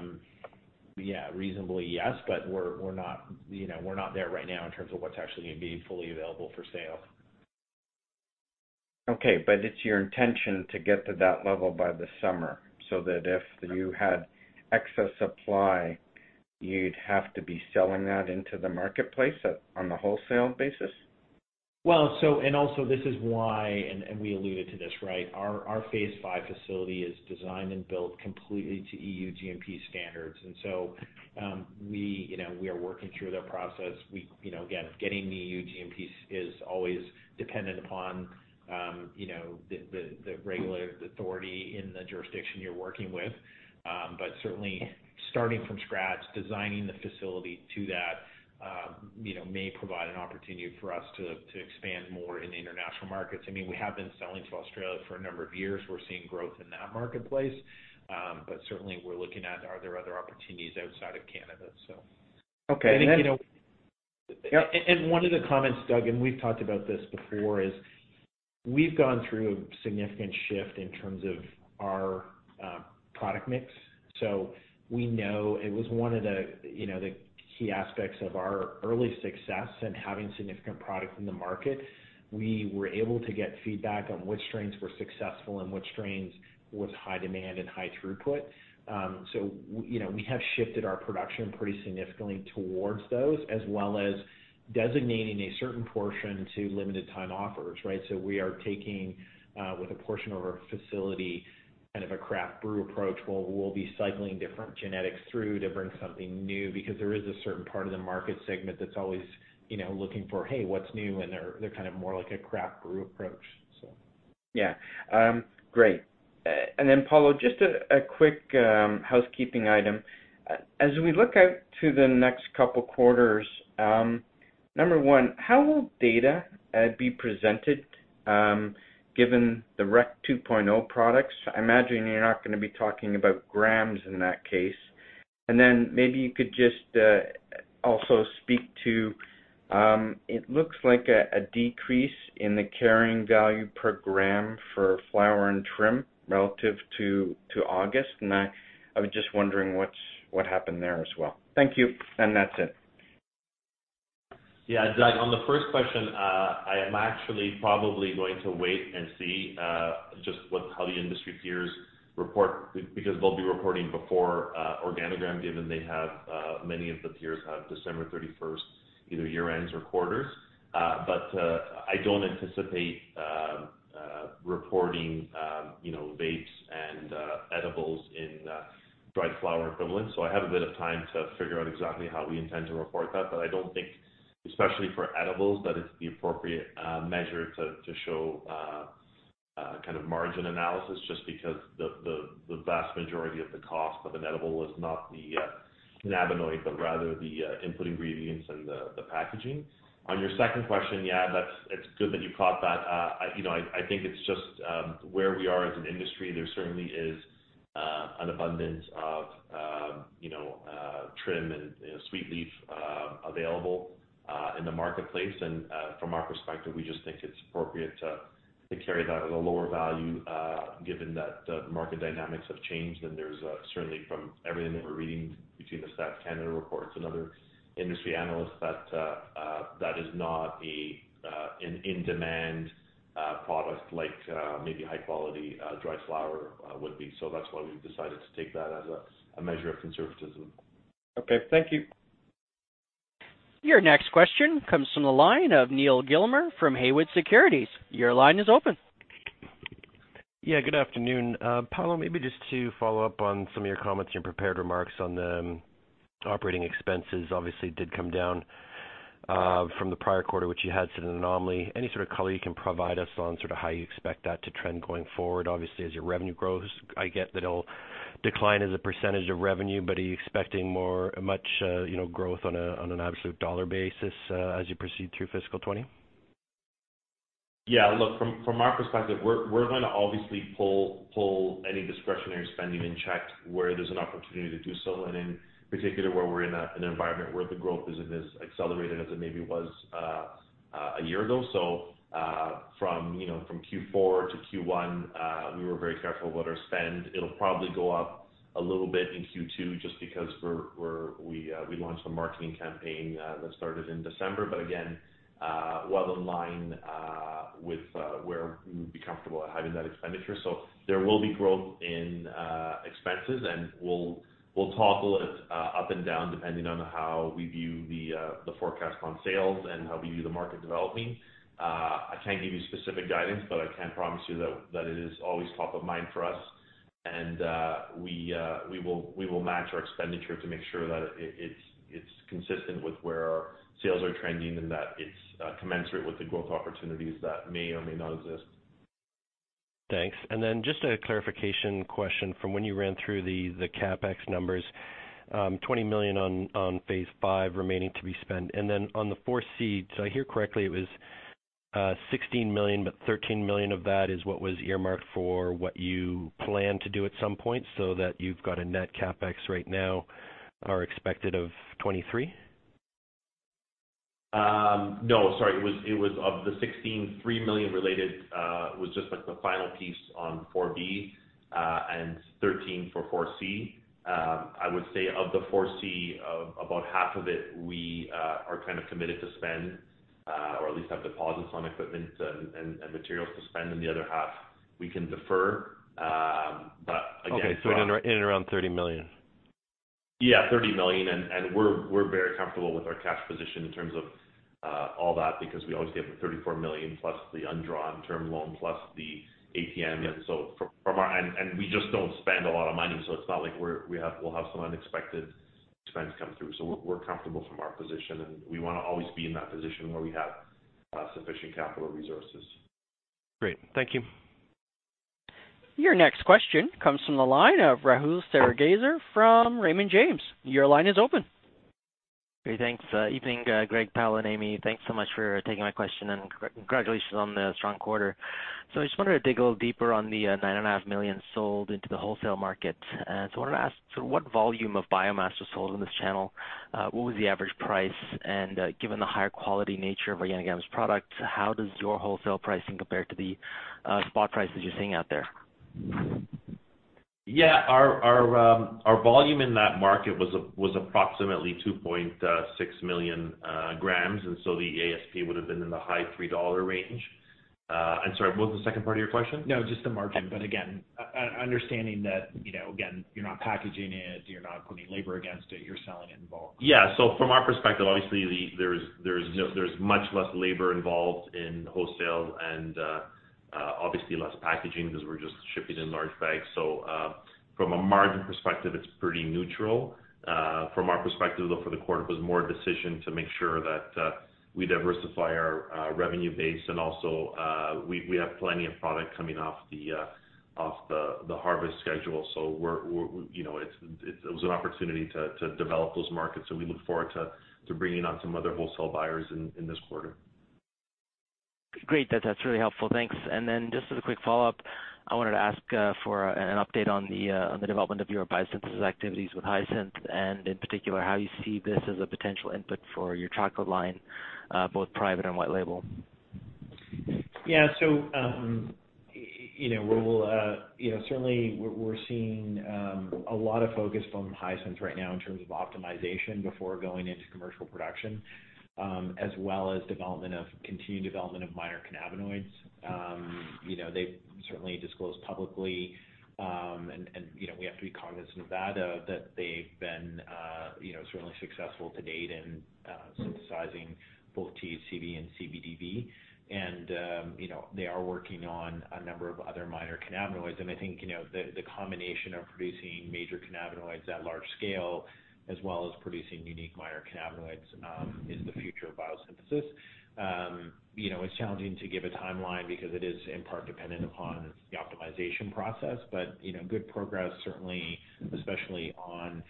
reasonably, yes, but we're not, you know, we're not there right now in terms of what's actually going to be fully available for sale. Okay, but it's your intention to get to that level by the summer, so that if you had excess supply, you'd have to be selling that into the marketplace at, on the wholesale basis? This is why, and we alluded to this, right? Our phase five facility is designed and built completely to EU GMP standards, so we, you know, we are working through that process. We, you know, again, getting the EU GMP is always dependent upon, you know, the regulatory authority in the jurisdiction you're working with, but certainly starting from scratch, designing the facility to that, you know, may provide an opportunity for us to expand more in the international markets. I mean, we have been selling to Australia for a number of years. We're seeing growth in that marketplace, but certainly we're looking at, are there other opportunities outside of Canada, so. Okay, and then- You know, and one of the comments, Doug, and we've talked about this before, is we've gone through a significant shift in terms of our product mix. So we know it was one of the, you know, the key aspects of our early success in having significant product in the market. We were able to get feedback on which strains were successful and which strains was high demand and high throughput. So, you know, we have shifted our production pretty significantly towards those, as well as designating a certain portion to limited time offers, right? We are taking with a portion of our facility kind of a craft brew approach, where we'll be cycling different genetics through to bring something new, because there is a certain part of the market segment that's always, you know, looking for, "Hey, what's new?" And they're kind of more like a craft brew approach, so. Yeah. Great. And then, Paulo, just a quick housekeeping item. As we look out to the next couple quarters, number one, how will data be presented given the Cannabis 2.0 products? I imagine you're not going to be talking about grams in that case. And then maybe you could just also speak to it looks like a decrease in the carrying value per gram for flower and trim relative to August. And I was just wondering what happened there as well. Thank you. And that's it. Yeah, Doug, on the first question, I am actually probably going to wait and see just what, how the industry peers report, because they'll be reporting before OrganiGram, given many of the peers have December thirty-first, either year ends or quarters. But I don't anticipate reporting, you know, vapes and edibles in dried flower equivalent. So I have a bit of time to figure out exactly how we intend to report that, but I don't think, especially for edibles, that it's the appropriate measure to show kind of margin analysis, just because the vast majority of the cost of an edible is not the cannabinoid, but rather the input ingredients and the packaging. On your second question, yeah, that's it's good that you caught that. You know, I think it's just where we are as an industry. There certainly is an abundance of you know trim and sweet leaf available in the marketplace. And from our perspective, we just think it's appropriate to carry that at a lower value given that the market dynamics have changed. And there's certainly from everything that we're reading between the Statistics Canada reports and other industry analysts, that that is not an in-demand product like maybe high quality dried flower would be. So that's why we've decided to take that as a measure of conservatism. Okay, thank you. Your next question comes from the line of Neal Gilmer from Haywood Securities. Your line is open. Yeah, good afternoon. Paulo, maybe just to follow up on some of your comments, your prepared remarks on the operating expenses obviously did come down from the prior quarter, which you had an anomaly. Any sort of color you can provide us on sort of how you expect that to trend going forward? Obviously, as your revenue grows, I get that it'll decline as a percentage of revenue, but are you expecting more, much, you know, growth on an absolute dollar basis as you proceed through fiscal 2020? Yeah, look, from our perspective, we're going to obviously pull any discretionary spending in check where there's an opportunity to do so, and in particular, where we're in an environment where the growth isn't as accelerated as it maybe was a year ago. So, you know, from Q4 to Q1, we were very careful about our spend. It'll probably go up a little bit in Q2 just because we launched a marketing campaign that started in December. But again, well in line with where we would be comfortable at having that expenditure. So there will be growth in expenses, and we'll toggle it up and down, depending on how we view the forecast on sales and how we view the market developing. I can't give you specific guidance, but I can promise you that it is always top of mind for us, and we will match our expenditure to make sure that it is consistent with where our sales are trending and that it is commensurate with the growth opportunities that may or may not exist.... Thanks. And then just a clarification question from when you ran through the CapEx numbers, 20 million on phase five remaining to be spent. And then on the 4C, so I hear correctly, it was 16 million, but 13 million of that is what was earmarked for what you plan to do at some point, so that you've got a net CapEx right now, are expected of 23? No, sorry. It was of the 16.3 million related was just like the final piece on 4B and 13 for 4C. I would say of the 4C, about half of it, we are kind of committed to spend or at least have deposits on equipment and materials to spend, and the other half we can defer. But again- Okay, so in and around 30 million. Yeah, 30 million, and we're very comfortable with our cash position in terms of all that, because we always get the 34 million plus the undrawn term loan, plus the ATM. And so from our... And we just don't spend a lot of money, so it's not like we'll have some unexpected expense come through. So we're comfortable from our position, and we wanna always be in that position where we have sufficient capital resources. Great, thank you. Your next question comes from the line of Rahul Sarugaser from Raymond James. Your line is open. Hey, thanks. Evening, Greg, Paulo, and Amy. Thanks so much for taking my question, and congratulations on the strong quarter. I just wanted to dig a little deeper on the 9.5 million sold into the wholesale market. So I wanted to ask, so what volume of biomass was sold in this channel? What was the average price? And, given the higher quality nature of OrganiGram's product, how does your wholesale pricing compare to the spot prices you're seeing out there? Yeah, our volume in that market was approximately 2.6 million grams, and so the ASP would have been in the high $3 range. And sorry, what was the second part of your question? No, just the margin. But again, understanding that, you know, again, you're not packaging it, you're not putting labor against it, you're selling it in bulk. Yeah. So from our perspective, obviously, there's much less labor involved in wholesale and, obviously, less packaging because we're just shipping in large bags. So, from a margin perspective, it's pretty neutral. From our perspective, though, for the quarter, it was more a decision to make sure that we diversify our revenue base, and also, we have plenty of product coming off the harvest schedule. So we're, you know, it was an opportunity to develop those markets, and we look forward to bringing on some other wholesale buyers in this quarter. Great. That, that's really helpful. Thanks. And then just as a quick follow-up, I wanted to ask for an update on the development of your biosynthesis activities with Hyasynth, and in particular, how you see this as a potential input for your chocolate line, both private and white label. Yeah. So, you know, we'll certainly, we're seeing a lot of focus from Hyasynth right now in terms of optimization before going into commercial production, as well as continued development of minor cannabinoids. You know, they've certainly disclosed publicly, and, you know, we have to be cognizant of that, that they've been, you know, certainly successful to date in synthesizing both THC and CBDV. And, you know, they are working on a number of other minor cannabinoids. And I think, you know, the combination of producing major cannabinoids at large scale, as well as producing unique minor cannabinoids, is the future of biosynthesis. You know, it's challenging to give a timeline because it is in part dependent upon the optimization process, but, you know, good progress, certainly, especially on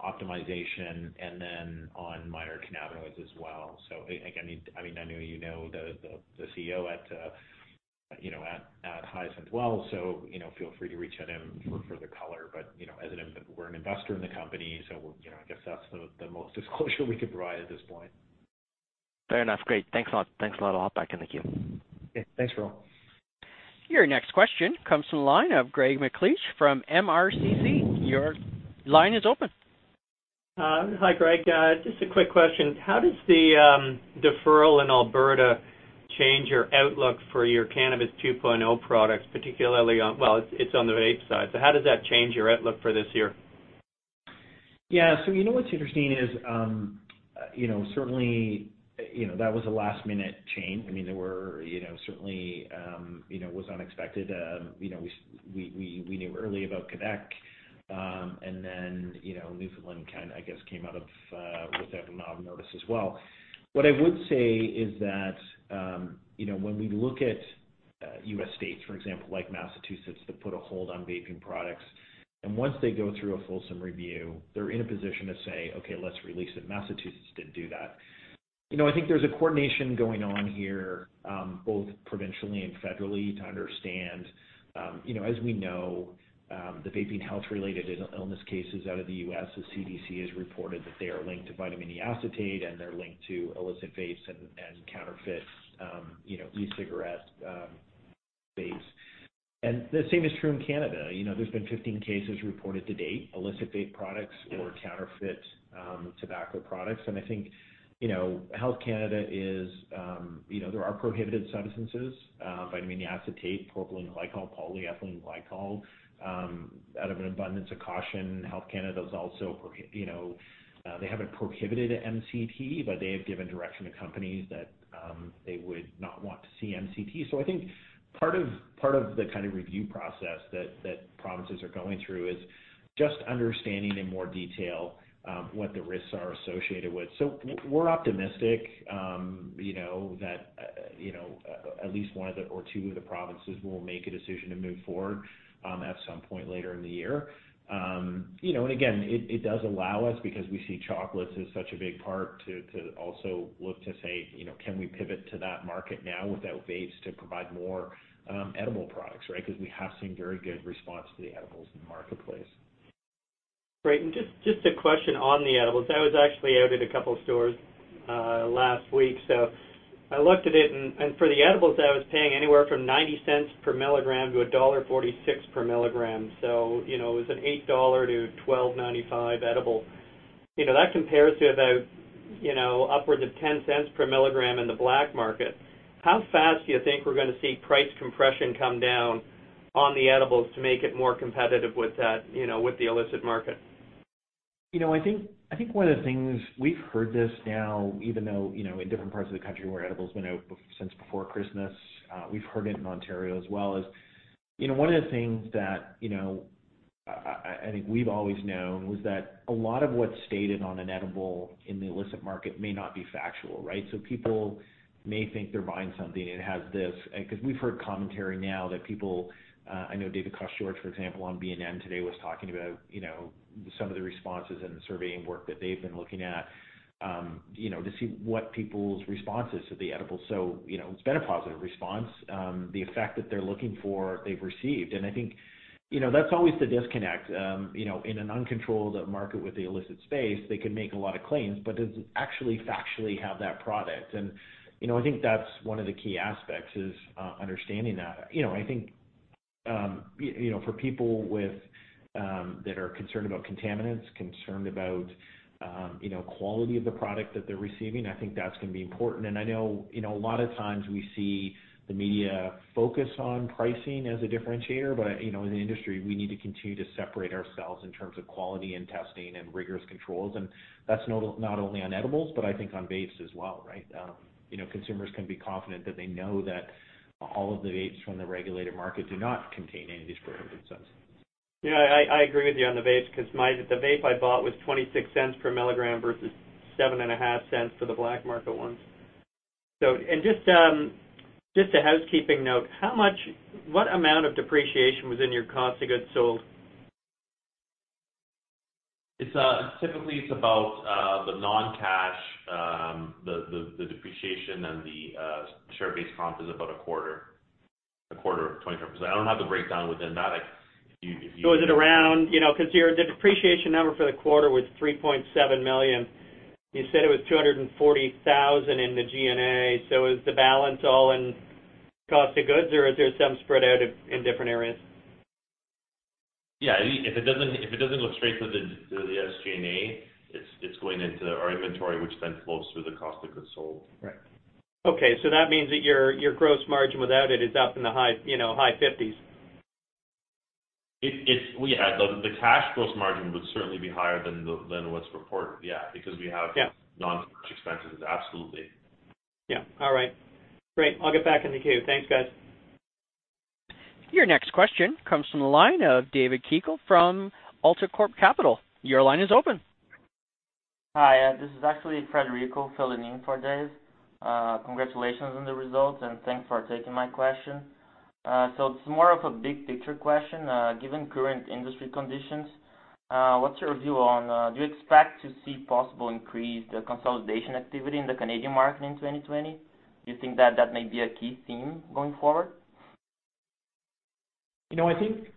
optimization and then on minor cannabinoids as well. So, I mean, I know you know the CEO at Hyasynth well, so, you know, feel free to reach out to him for further color. But, you know, as an investor we're an investor in the company, so, you know, I guess that's the most disclosure we could provide at this point. Fair enough. Great. Thanks a lot. Thanks a lot. I'll hop back in the queue. Okay. Thanks, Rahul. Your next question comes from the line of Greg McLeish from MRCC. Your line is open. Hi, Greg. Just a quick question. How does the deferral in Alberta change your outlook for your Cannabis 2.0 products? Well, it's on the vape side, so how does that change your outlook for this year? Yeah. So you know what's interesting is, you know, certainly, you know, that was a last-minute change. I mean, there were, you know, certainly, you know, was unexpected. You know, we knew early about Quebec, and then, you know, Newfoundland kind of, I guess, came out of, with that amount of notice as well. What I would say is that, you know, when we look at, U.S. states, for example, like Massachusetts, that put a hold on vaping products, and once they go through a fulsome review, they're in a position to say, "Okay, let's release it." Massachusetts didn't do that. You know, I think there's a coordination going on here, both provincially and federally, to understand, you know, as we know, the vaping health-related illness cases out of the U.S., the CDC has reported that they are linked to vitamin E acetate, and they're linked to illicit vapes and counterfeits, you know, e-cigarette vapes. And the same is true in Canada. You know, there's been 15 cases reported to date, illicit vape products or counterfeit tobacco products. And I think, you know, Health Canada is. You know, there are prohibited substances, vitamin E acetate, propylene glycol, polyethylene glycol. Out of an abundance of caution, Health Canada is also, you know, they haven't prohibited MCT, but they have given direction to companies that they would not want to see MCT. So I think part of the kind of review process that provinces are going through is just understanding in more detail what the risks are associated with. So we're optimistic, you know, that you know at least one of the or two of the provinces will make a decision to move forward at some point later in the year. You know, and again, it does allow us, because we see chocolates as such a big part, to also look to say, you know, "Can we pivot to that market now without vapes to provide more edible products," right? Because we have seen very good response to the edibles in the marketplace.... Great. And just a question on the edibles. I was actually out at a couple stores last week, so I looked at it, and for the edibles, I was paying anywhere from $0.90 per milligram to $1.46 per milligram. So, you know, it was a $8-$12.95 edible. You know, that compares to about, you know, upwards of $0.10 per milligram in the black market. How fast do you think we're gonna see price compression come down on the edibles to make it more competitive with that, you know, with the illicit market? You know, I think one of the things we've heard this now, even though, you know, in different parts of the country where edibles have been out since before Christmas, we've heard it in Ontario as well as... You know, one of the things that, you know, I think we've always known was that a lot of what's stated on an edible in the illicit market may not be factual, right? So people may think they're buying something, and it has this. Because we've heard commentary now that people, I know David Kideckel, for example, on BNN today, was talking about, you know, some of the responses and the surveying work that they've been looking at, you know, to see what people's responses to the edibles. So, you know, it's been a positive response. The effect that they're looking for, they've received, and I think, you know, that's always the disconnect. You know, in an uncontrolled market with the illicit space, they can make a lot of claims, but doesn't actually factually have that product. And, you know, I think that's one of the key aspects, is understanding that. You know, I think you know, for people with that are concerned about contaminants, concerned about, you know, quality of the product that they're receiving, I think that's going to be important. And I know, you know, a lot of times we see the media focus on pricing as a differentiator, but, you know, in the industry, we need to continue to separate ourselves in terms of quality and testing and rigorous controls. And that's not only on edibles, but I think on vapes as well, right? You know, consumers can be confident that they know that all of the vapes from the regulated market do not contain any of these prohibited substances. Yeah, I agree with you on the vapes, because my... The vape I bought was 0.26 per milligram versus 0.075 for the black market ones. So, and just a housekeeping note, what amount of depreciation was in your cost of goods sold? It's typically it's about the non-cash the depreciation and the share-based comp is about a quarter of 25%. I don't have the breakdown within that, like, if you- So was it around... You know, because your, the depreciation number for the quarter was 3.7 million. You said it was 240,000 in the G&A. So is the balance all in cost of goods, or is there some spread out of, in different areas? Yeah, if it doesn't go straight to the SG&A, it's going into our inventory, which then flows through the cost of goods sold. Right. Okay, so that means that your gross margin without it is up in the high, you know, 50s%. It's. We had the cash gross margin would certainly be higher than what's reported. Yeah, because we have- Yeah... non-cash expenses. Absolutely. Yeah. All right. Great. I'll get back in the queue. Thanks, guys. Your next question comes from the line of David Kideckel from AltaCorp Capital. Your line is open. Hi, this is actually Frederico filling in for Dave. Congratulations on the results, and thanks for taking my question. So it's more of a big picture question. Given current industry conditions, what's your view on... Do you expect to see possible increased consolidation activity in the Canadian market in 2020? Do you think that that may be a key theme going forward? You know, I think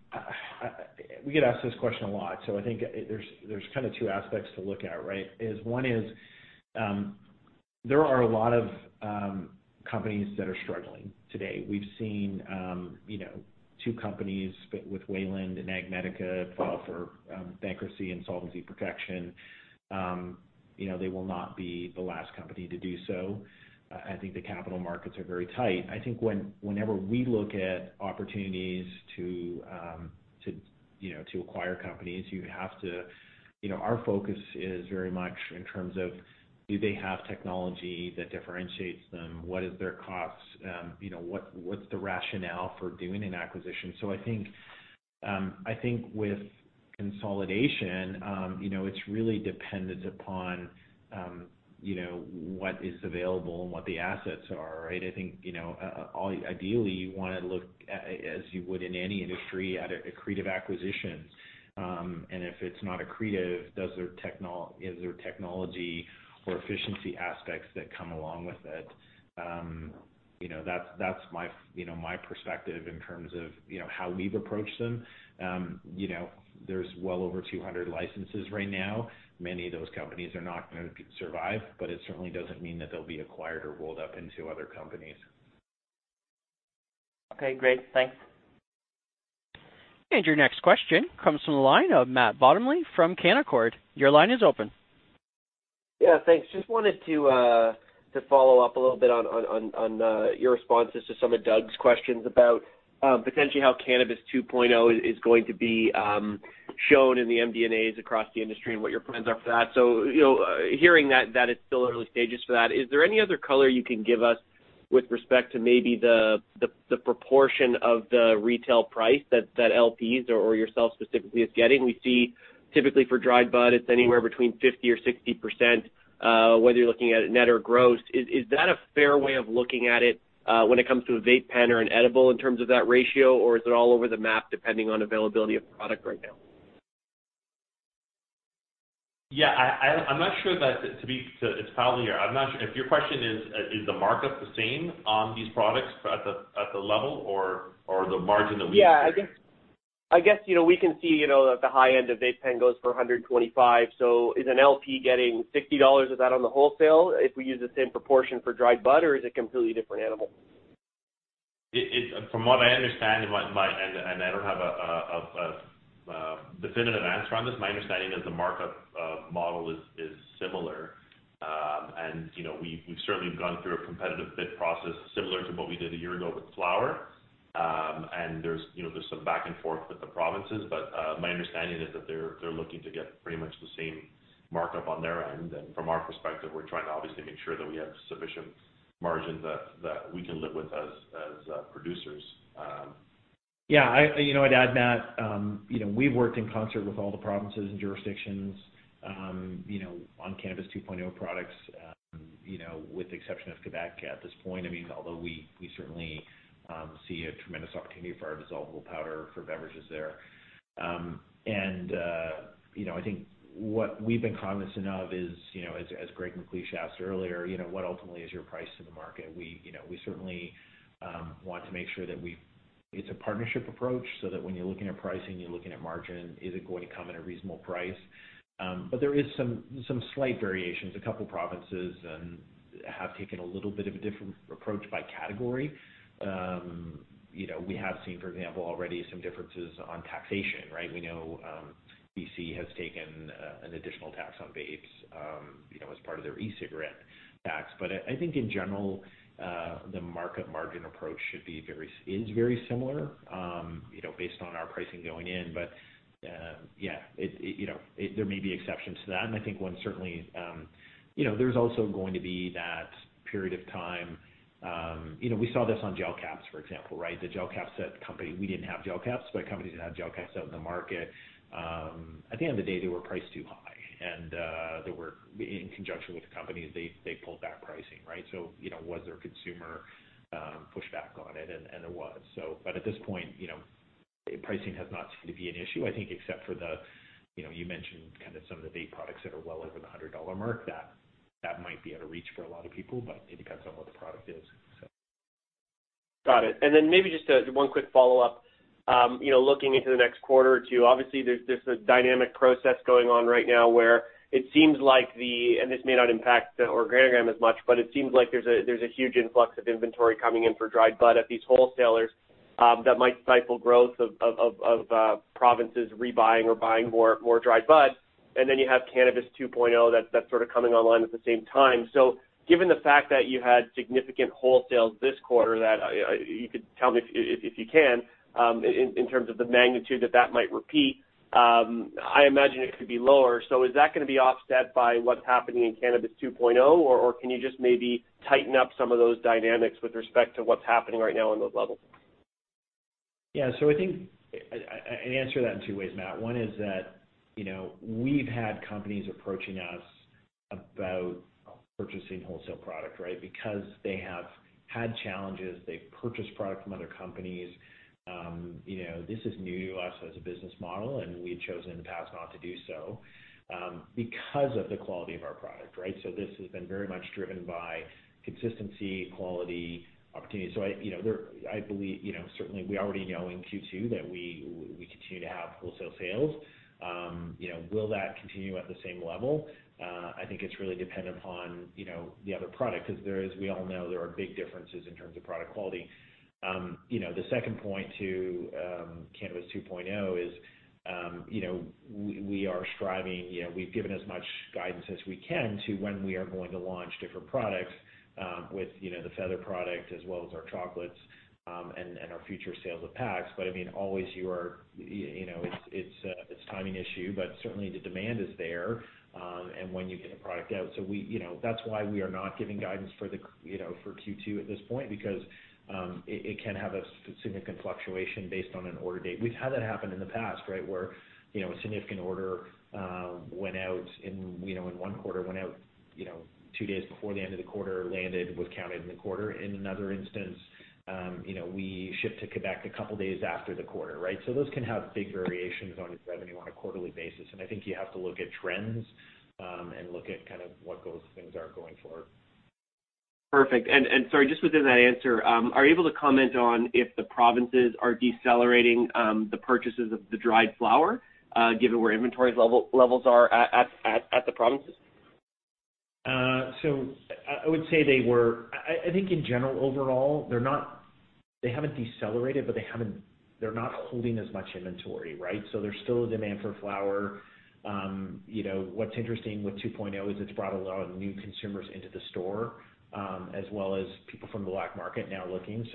we get asked this question a lot, so I think there's kind of two aspects to look at, right? One is, there are a lot of companies that are struggling today. We've seen, you know, two companies, with Wayland and AgMedica, file for bankruptcy and insolvency protection. You know, they will not be the last company to do so. I think the capital markets are very tight. I think whenever we look at opportunities to, you know, to acquire companies, you have to. You know, our focus is very much in terms of, do they have technology that differentiates them? What is their costs? You know, what, what's the rationale for doing an acquisition? So I think, I think with consolidation, you know, it's really dependent upon, you know, what is available and what the assets are, right? I think, you know, ideally, you want to look as you would in any industry, at accretive acquisitions. And if it's not accretive, is there technology or efficiency aspects that come along with it? You know, that's my perspective in terms of, you know, how we've approached them. You know, there's well over 200 licenses right now. Many of those companies are not going to survive, but it certainly doesn't mean that they'll be acquired or rolled up into other companies. Okay, great. Thanks. And your next question comes from the line of Matt Bottomley from Canaccord. Your line is open. Yeah, thanks. Just wanted to follow up a little bit on your responses to some of Doug's questions about potentially how Cannabis 2.0 is going to be shown in the MD&As across the industry and what your plans are for that. So, you know, hearing that it's still early stages for that, is there any other color you can give us with respect to maybe the proportion of the retail price that LPs or yourself specifically is getting? We see typically for dried bud, it's anywhere between 50% or 60%, whether you're looking at it net or gross. Is that a fair way of looking at it when it comes to a vape pen or an edible in terms of that ratio? Or is it all over the map, depending on availability of product right now?... Yeah, I'm not sure. If your question is, is the markup the same on these products at the level or the margin that we- Yeah, I guess, you know, we can see, you know, that the high end of vape pen goes for $125. So is an LP getting $60 of that on the wholesale if we use the same proportion for dried bud, or is it a completely different animal? From what I understand, I don't have a definitive answer on this. My understanding is the markup model is similar, and you know, we've certainly gone through a competitive bid process similar to what we did a year ago with flower, and there's you know, some back and forth with the provinces, but my understanding is that they're looking to get pretty much the same markup on their end, and from our perspective, we're trying to obviously make sure that we have sufficient margin that we can live with as producers. Yeah, I, you know, I'd add, Matt, you know, we've worked in concert with all the provinces and jurisdictions, you know, on Cannabis 2.0 products, you know, with the exception of Quebec at this point. I mean, although we, we certainly see a tremendous opportunity for our dissolvable powder for beverages there. And, you know, I think what we've been cognizant of is, you know, as Greg McLeish asked earlier, you know, what ultimately is your price in the market? We, you know, we certainly want to make sure that we've... It's a partnership approach, so that when you're looking at pricing, you're looking at margin, is it going to come at a reasonable price? But there is some slight variations. A couple provinces have taken a little bit of a different approach by category. You know, we have seen, for example, already some differences on taxation, right? We know, BC has taken an additional tax on vapes, you know, as part of their e-cigarette tax. But I think in general, the market margin approach should be, is very similar, you know, based on our pricing going in. But yeah, it, you know, it. There may be exceptions to that, and I think one certainly, you know, there's also going to be that period of time. You know, we saw this on gel caps, for example, right? The gel caps set company. We didn't have gel caps, but companies that had gel caps out in the market, at the end of the day, they were priced too high. And they were, in conjunction with the companies, they pulled back pricing, right? You know, was there consumer pushback on it? And there was. But at this point, you know, pricing has not seemed to be an issue, I think, except for the, you know, you mentioned kind of some of the vape products that are well over the 100 dollar mark, that might be out of reach for a lot of people, but it depends on what the product is. Got it. And then maybe just one quick follow-up. You know, looking into the next quarter or two, obviously, there's a dynamic process going on right now, where it seems like the... And this may not impact OrganiGram as much, but it seems like there's a huge influx of inventory coming in for dried bud at these wholesalers that might stifle growth of provinces rebuying or buying more dried bud. And then you have Cannabis 2.0, that's sort of coming online at the same time. So given the fact that you had significant wholesale this quarter, that you could tell me if you can, in terms of the magnitude that that might repeat, I imagine it could be lower. So is that gonna be offset by what's happening in Cannabis 2.0, or, or can you just maybe tighten up some of those dynamics with respect to what's happening right now on those levels? Yeah. So I think I answer that in two ways, Matt. One is that, you know, we've had companies approaching us about purchasing wholesale product, right? Because they have had challenges, they've purchased product from other companies. You know, this is new to us as a business model, and we've chosen in the past not to do so, because of the quality of our product, right? So this has been very much driven by consistency, quality, opportunity. So, you know, I believe, you know, certainly we already know in Q2 that we continue to have wholesale sales. You know, will that continue at the same level? I think it's really dependent upon, you know, the other product, because there is, we all know there are big differences in terms of product quality. You know, the second point to Cannabis 2.0 is, you know, we are striving, you know. We've given as much guidance as we can to when we are going to launch different products, with, you know, the Feather product as well as our chocolates, and our future sales of PAX. But I mean, always you are, you know, it's timing issue, but certainly, the demand is there, and when you get the product out. So we, you know, that's why we are not giving guidance for the, you know, for Q2 at this point, because it can have a significant fluctuation based on an order date. We've had that happen in the past, right? Where, you know, a significant order went out in, you know, in one quarter, went out, you know, two days before the end of the quarter, landed, was counted in the quarter. In another instance, you know, we shipped to Quebec a couple of days after the quarter, right? So those can have big variations on its revenue on a quarterly basis. And I think you have to look at trends and look at kind of what those things are going forward. Perfect. And sorry, just within that answer, are you able to comment on if the provinces are decelerating the purchases of the dried flower, given where inventory levels are at the provinces? I would say they were. I think in general, overall, they're not. They haven't decelerated, but they haven't. They're not holding as much inventory, right? There's still a demand for flower. You know, what's interesting with 2.0 is it's brought a lot of new consumers into the store, as well as people from the black market now looking,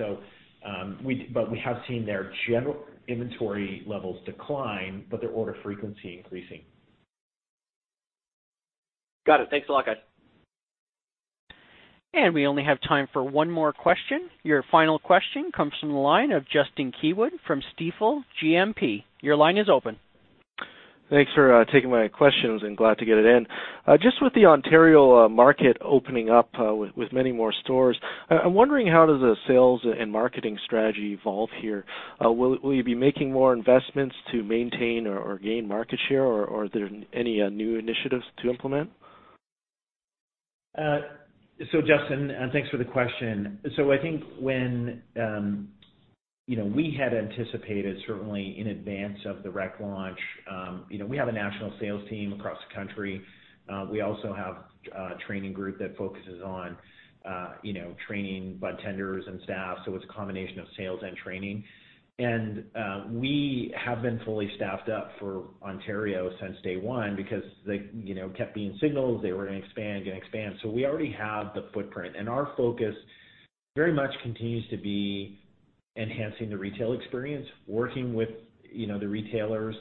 but we have seen their general inventory levels decline, but their order frequency increasing. Got it. Thanks a lot, guys. We only have time for one more question. Your final question comes from the line of Justin Keywood from Stifel GMP. Your line is open. Thanks for taking my questions, and glad to get it in. Just with the Ontario market opening up with many more stores, I'm wondering, how does the sales and marketing strategy evolve here? Will you be making more investments to maintain or gain market share, or are there any new initiatives to implement? So, Justin, thanks for the question. So, I think when, you know, we had anticipated, certainly in advance of the rec launch, you know, we have a national sales team across the country. We also have a training group that focuses on, you know, training budtenders and staff. So, it's a combination of sales and training. And, we have been fully staffed up for Ontario since day one because they, you know, kept being signaled they were gonna expand, gonna expand. So, we already have the footprint, and our focus very much continues to be enhancing the retail experience, working with, you know, the retailers,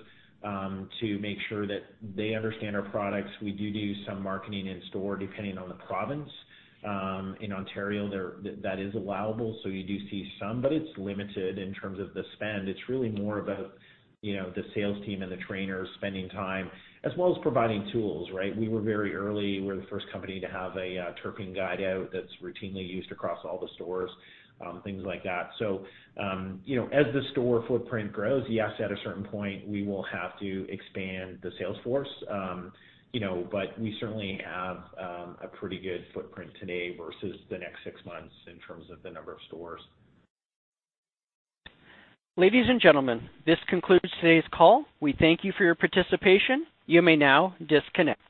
to make sure that they understand our products. We do do some marketing in store, depending on the province. In Ontario, there, that is allowable, so you do see some, but it's limited in terms of the spend. It's really more about, you know, the sales team and the trainers spending time, as well as providing tools, right? We were very early. We're the first company to have a terpene guide out that's routinely used across all the stores, things like that. So, you know, as the store footprint grows, yes, at a certain point, we will have to expand the sales force. You know, but we certainly have a pretty good footprint today versus the next six months in terms of the number of stores. Ladies and gentlemen, this concludes today's call. We thank you for your participation. You may now disconnect.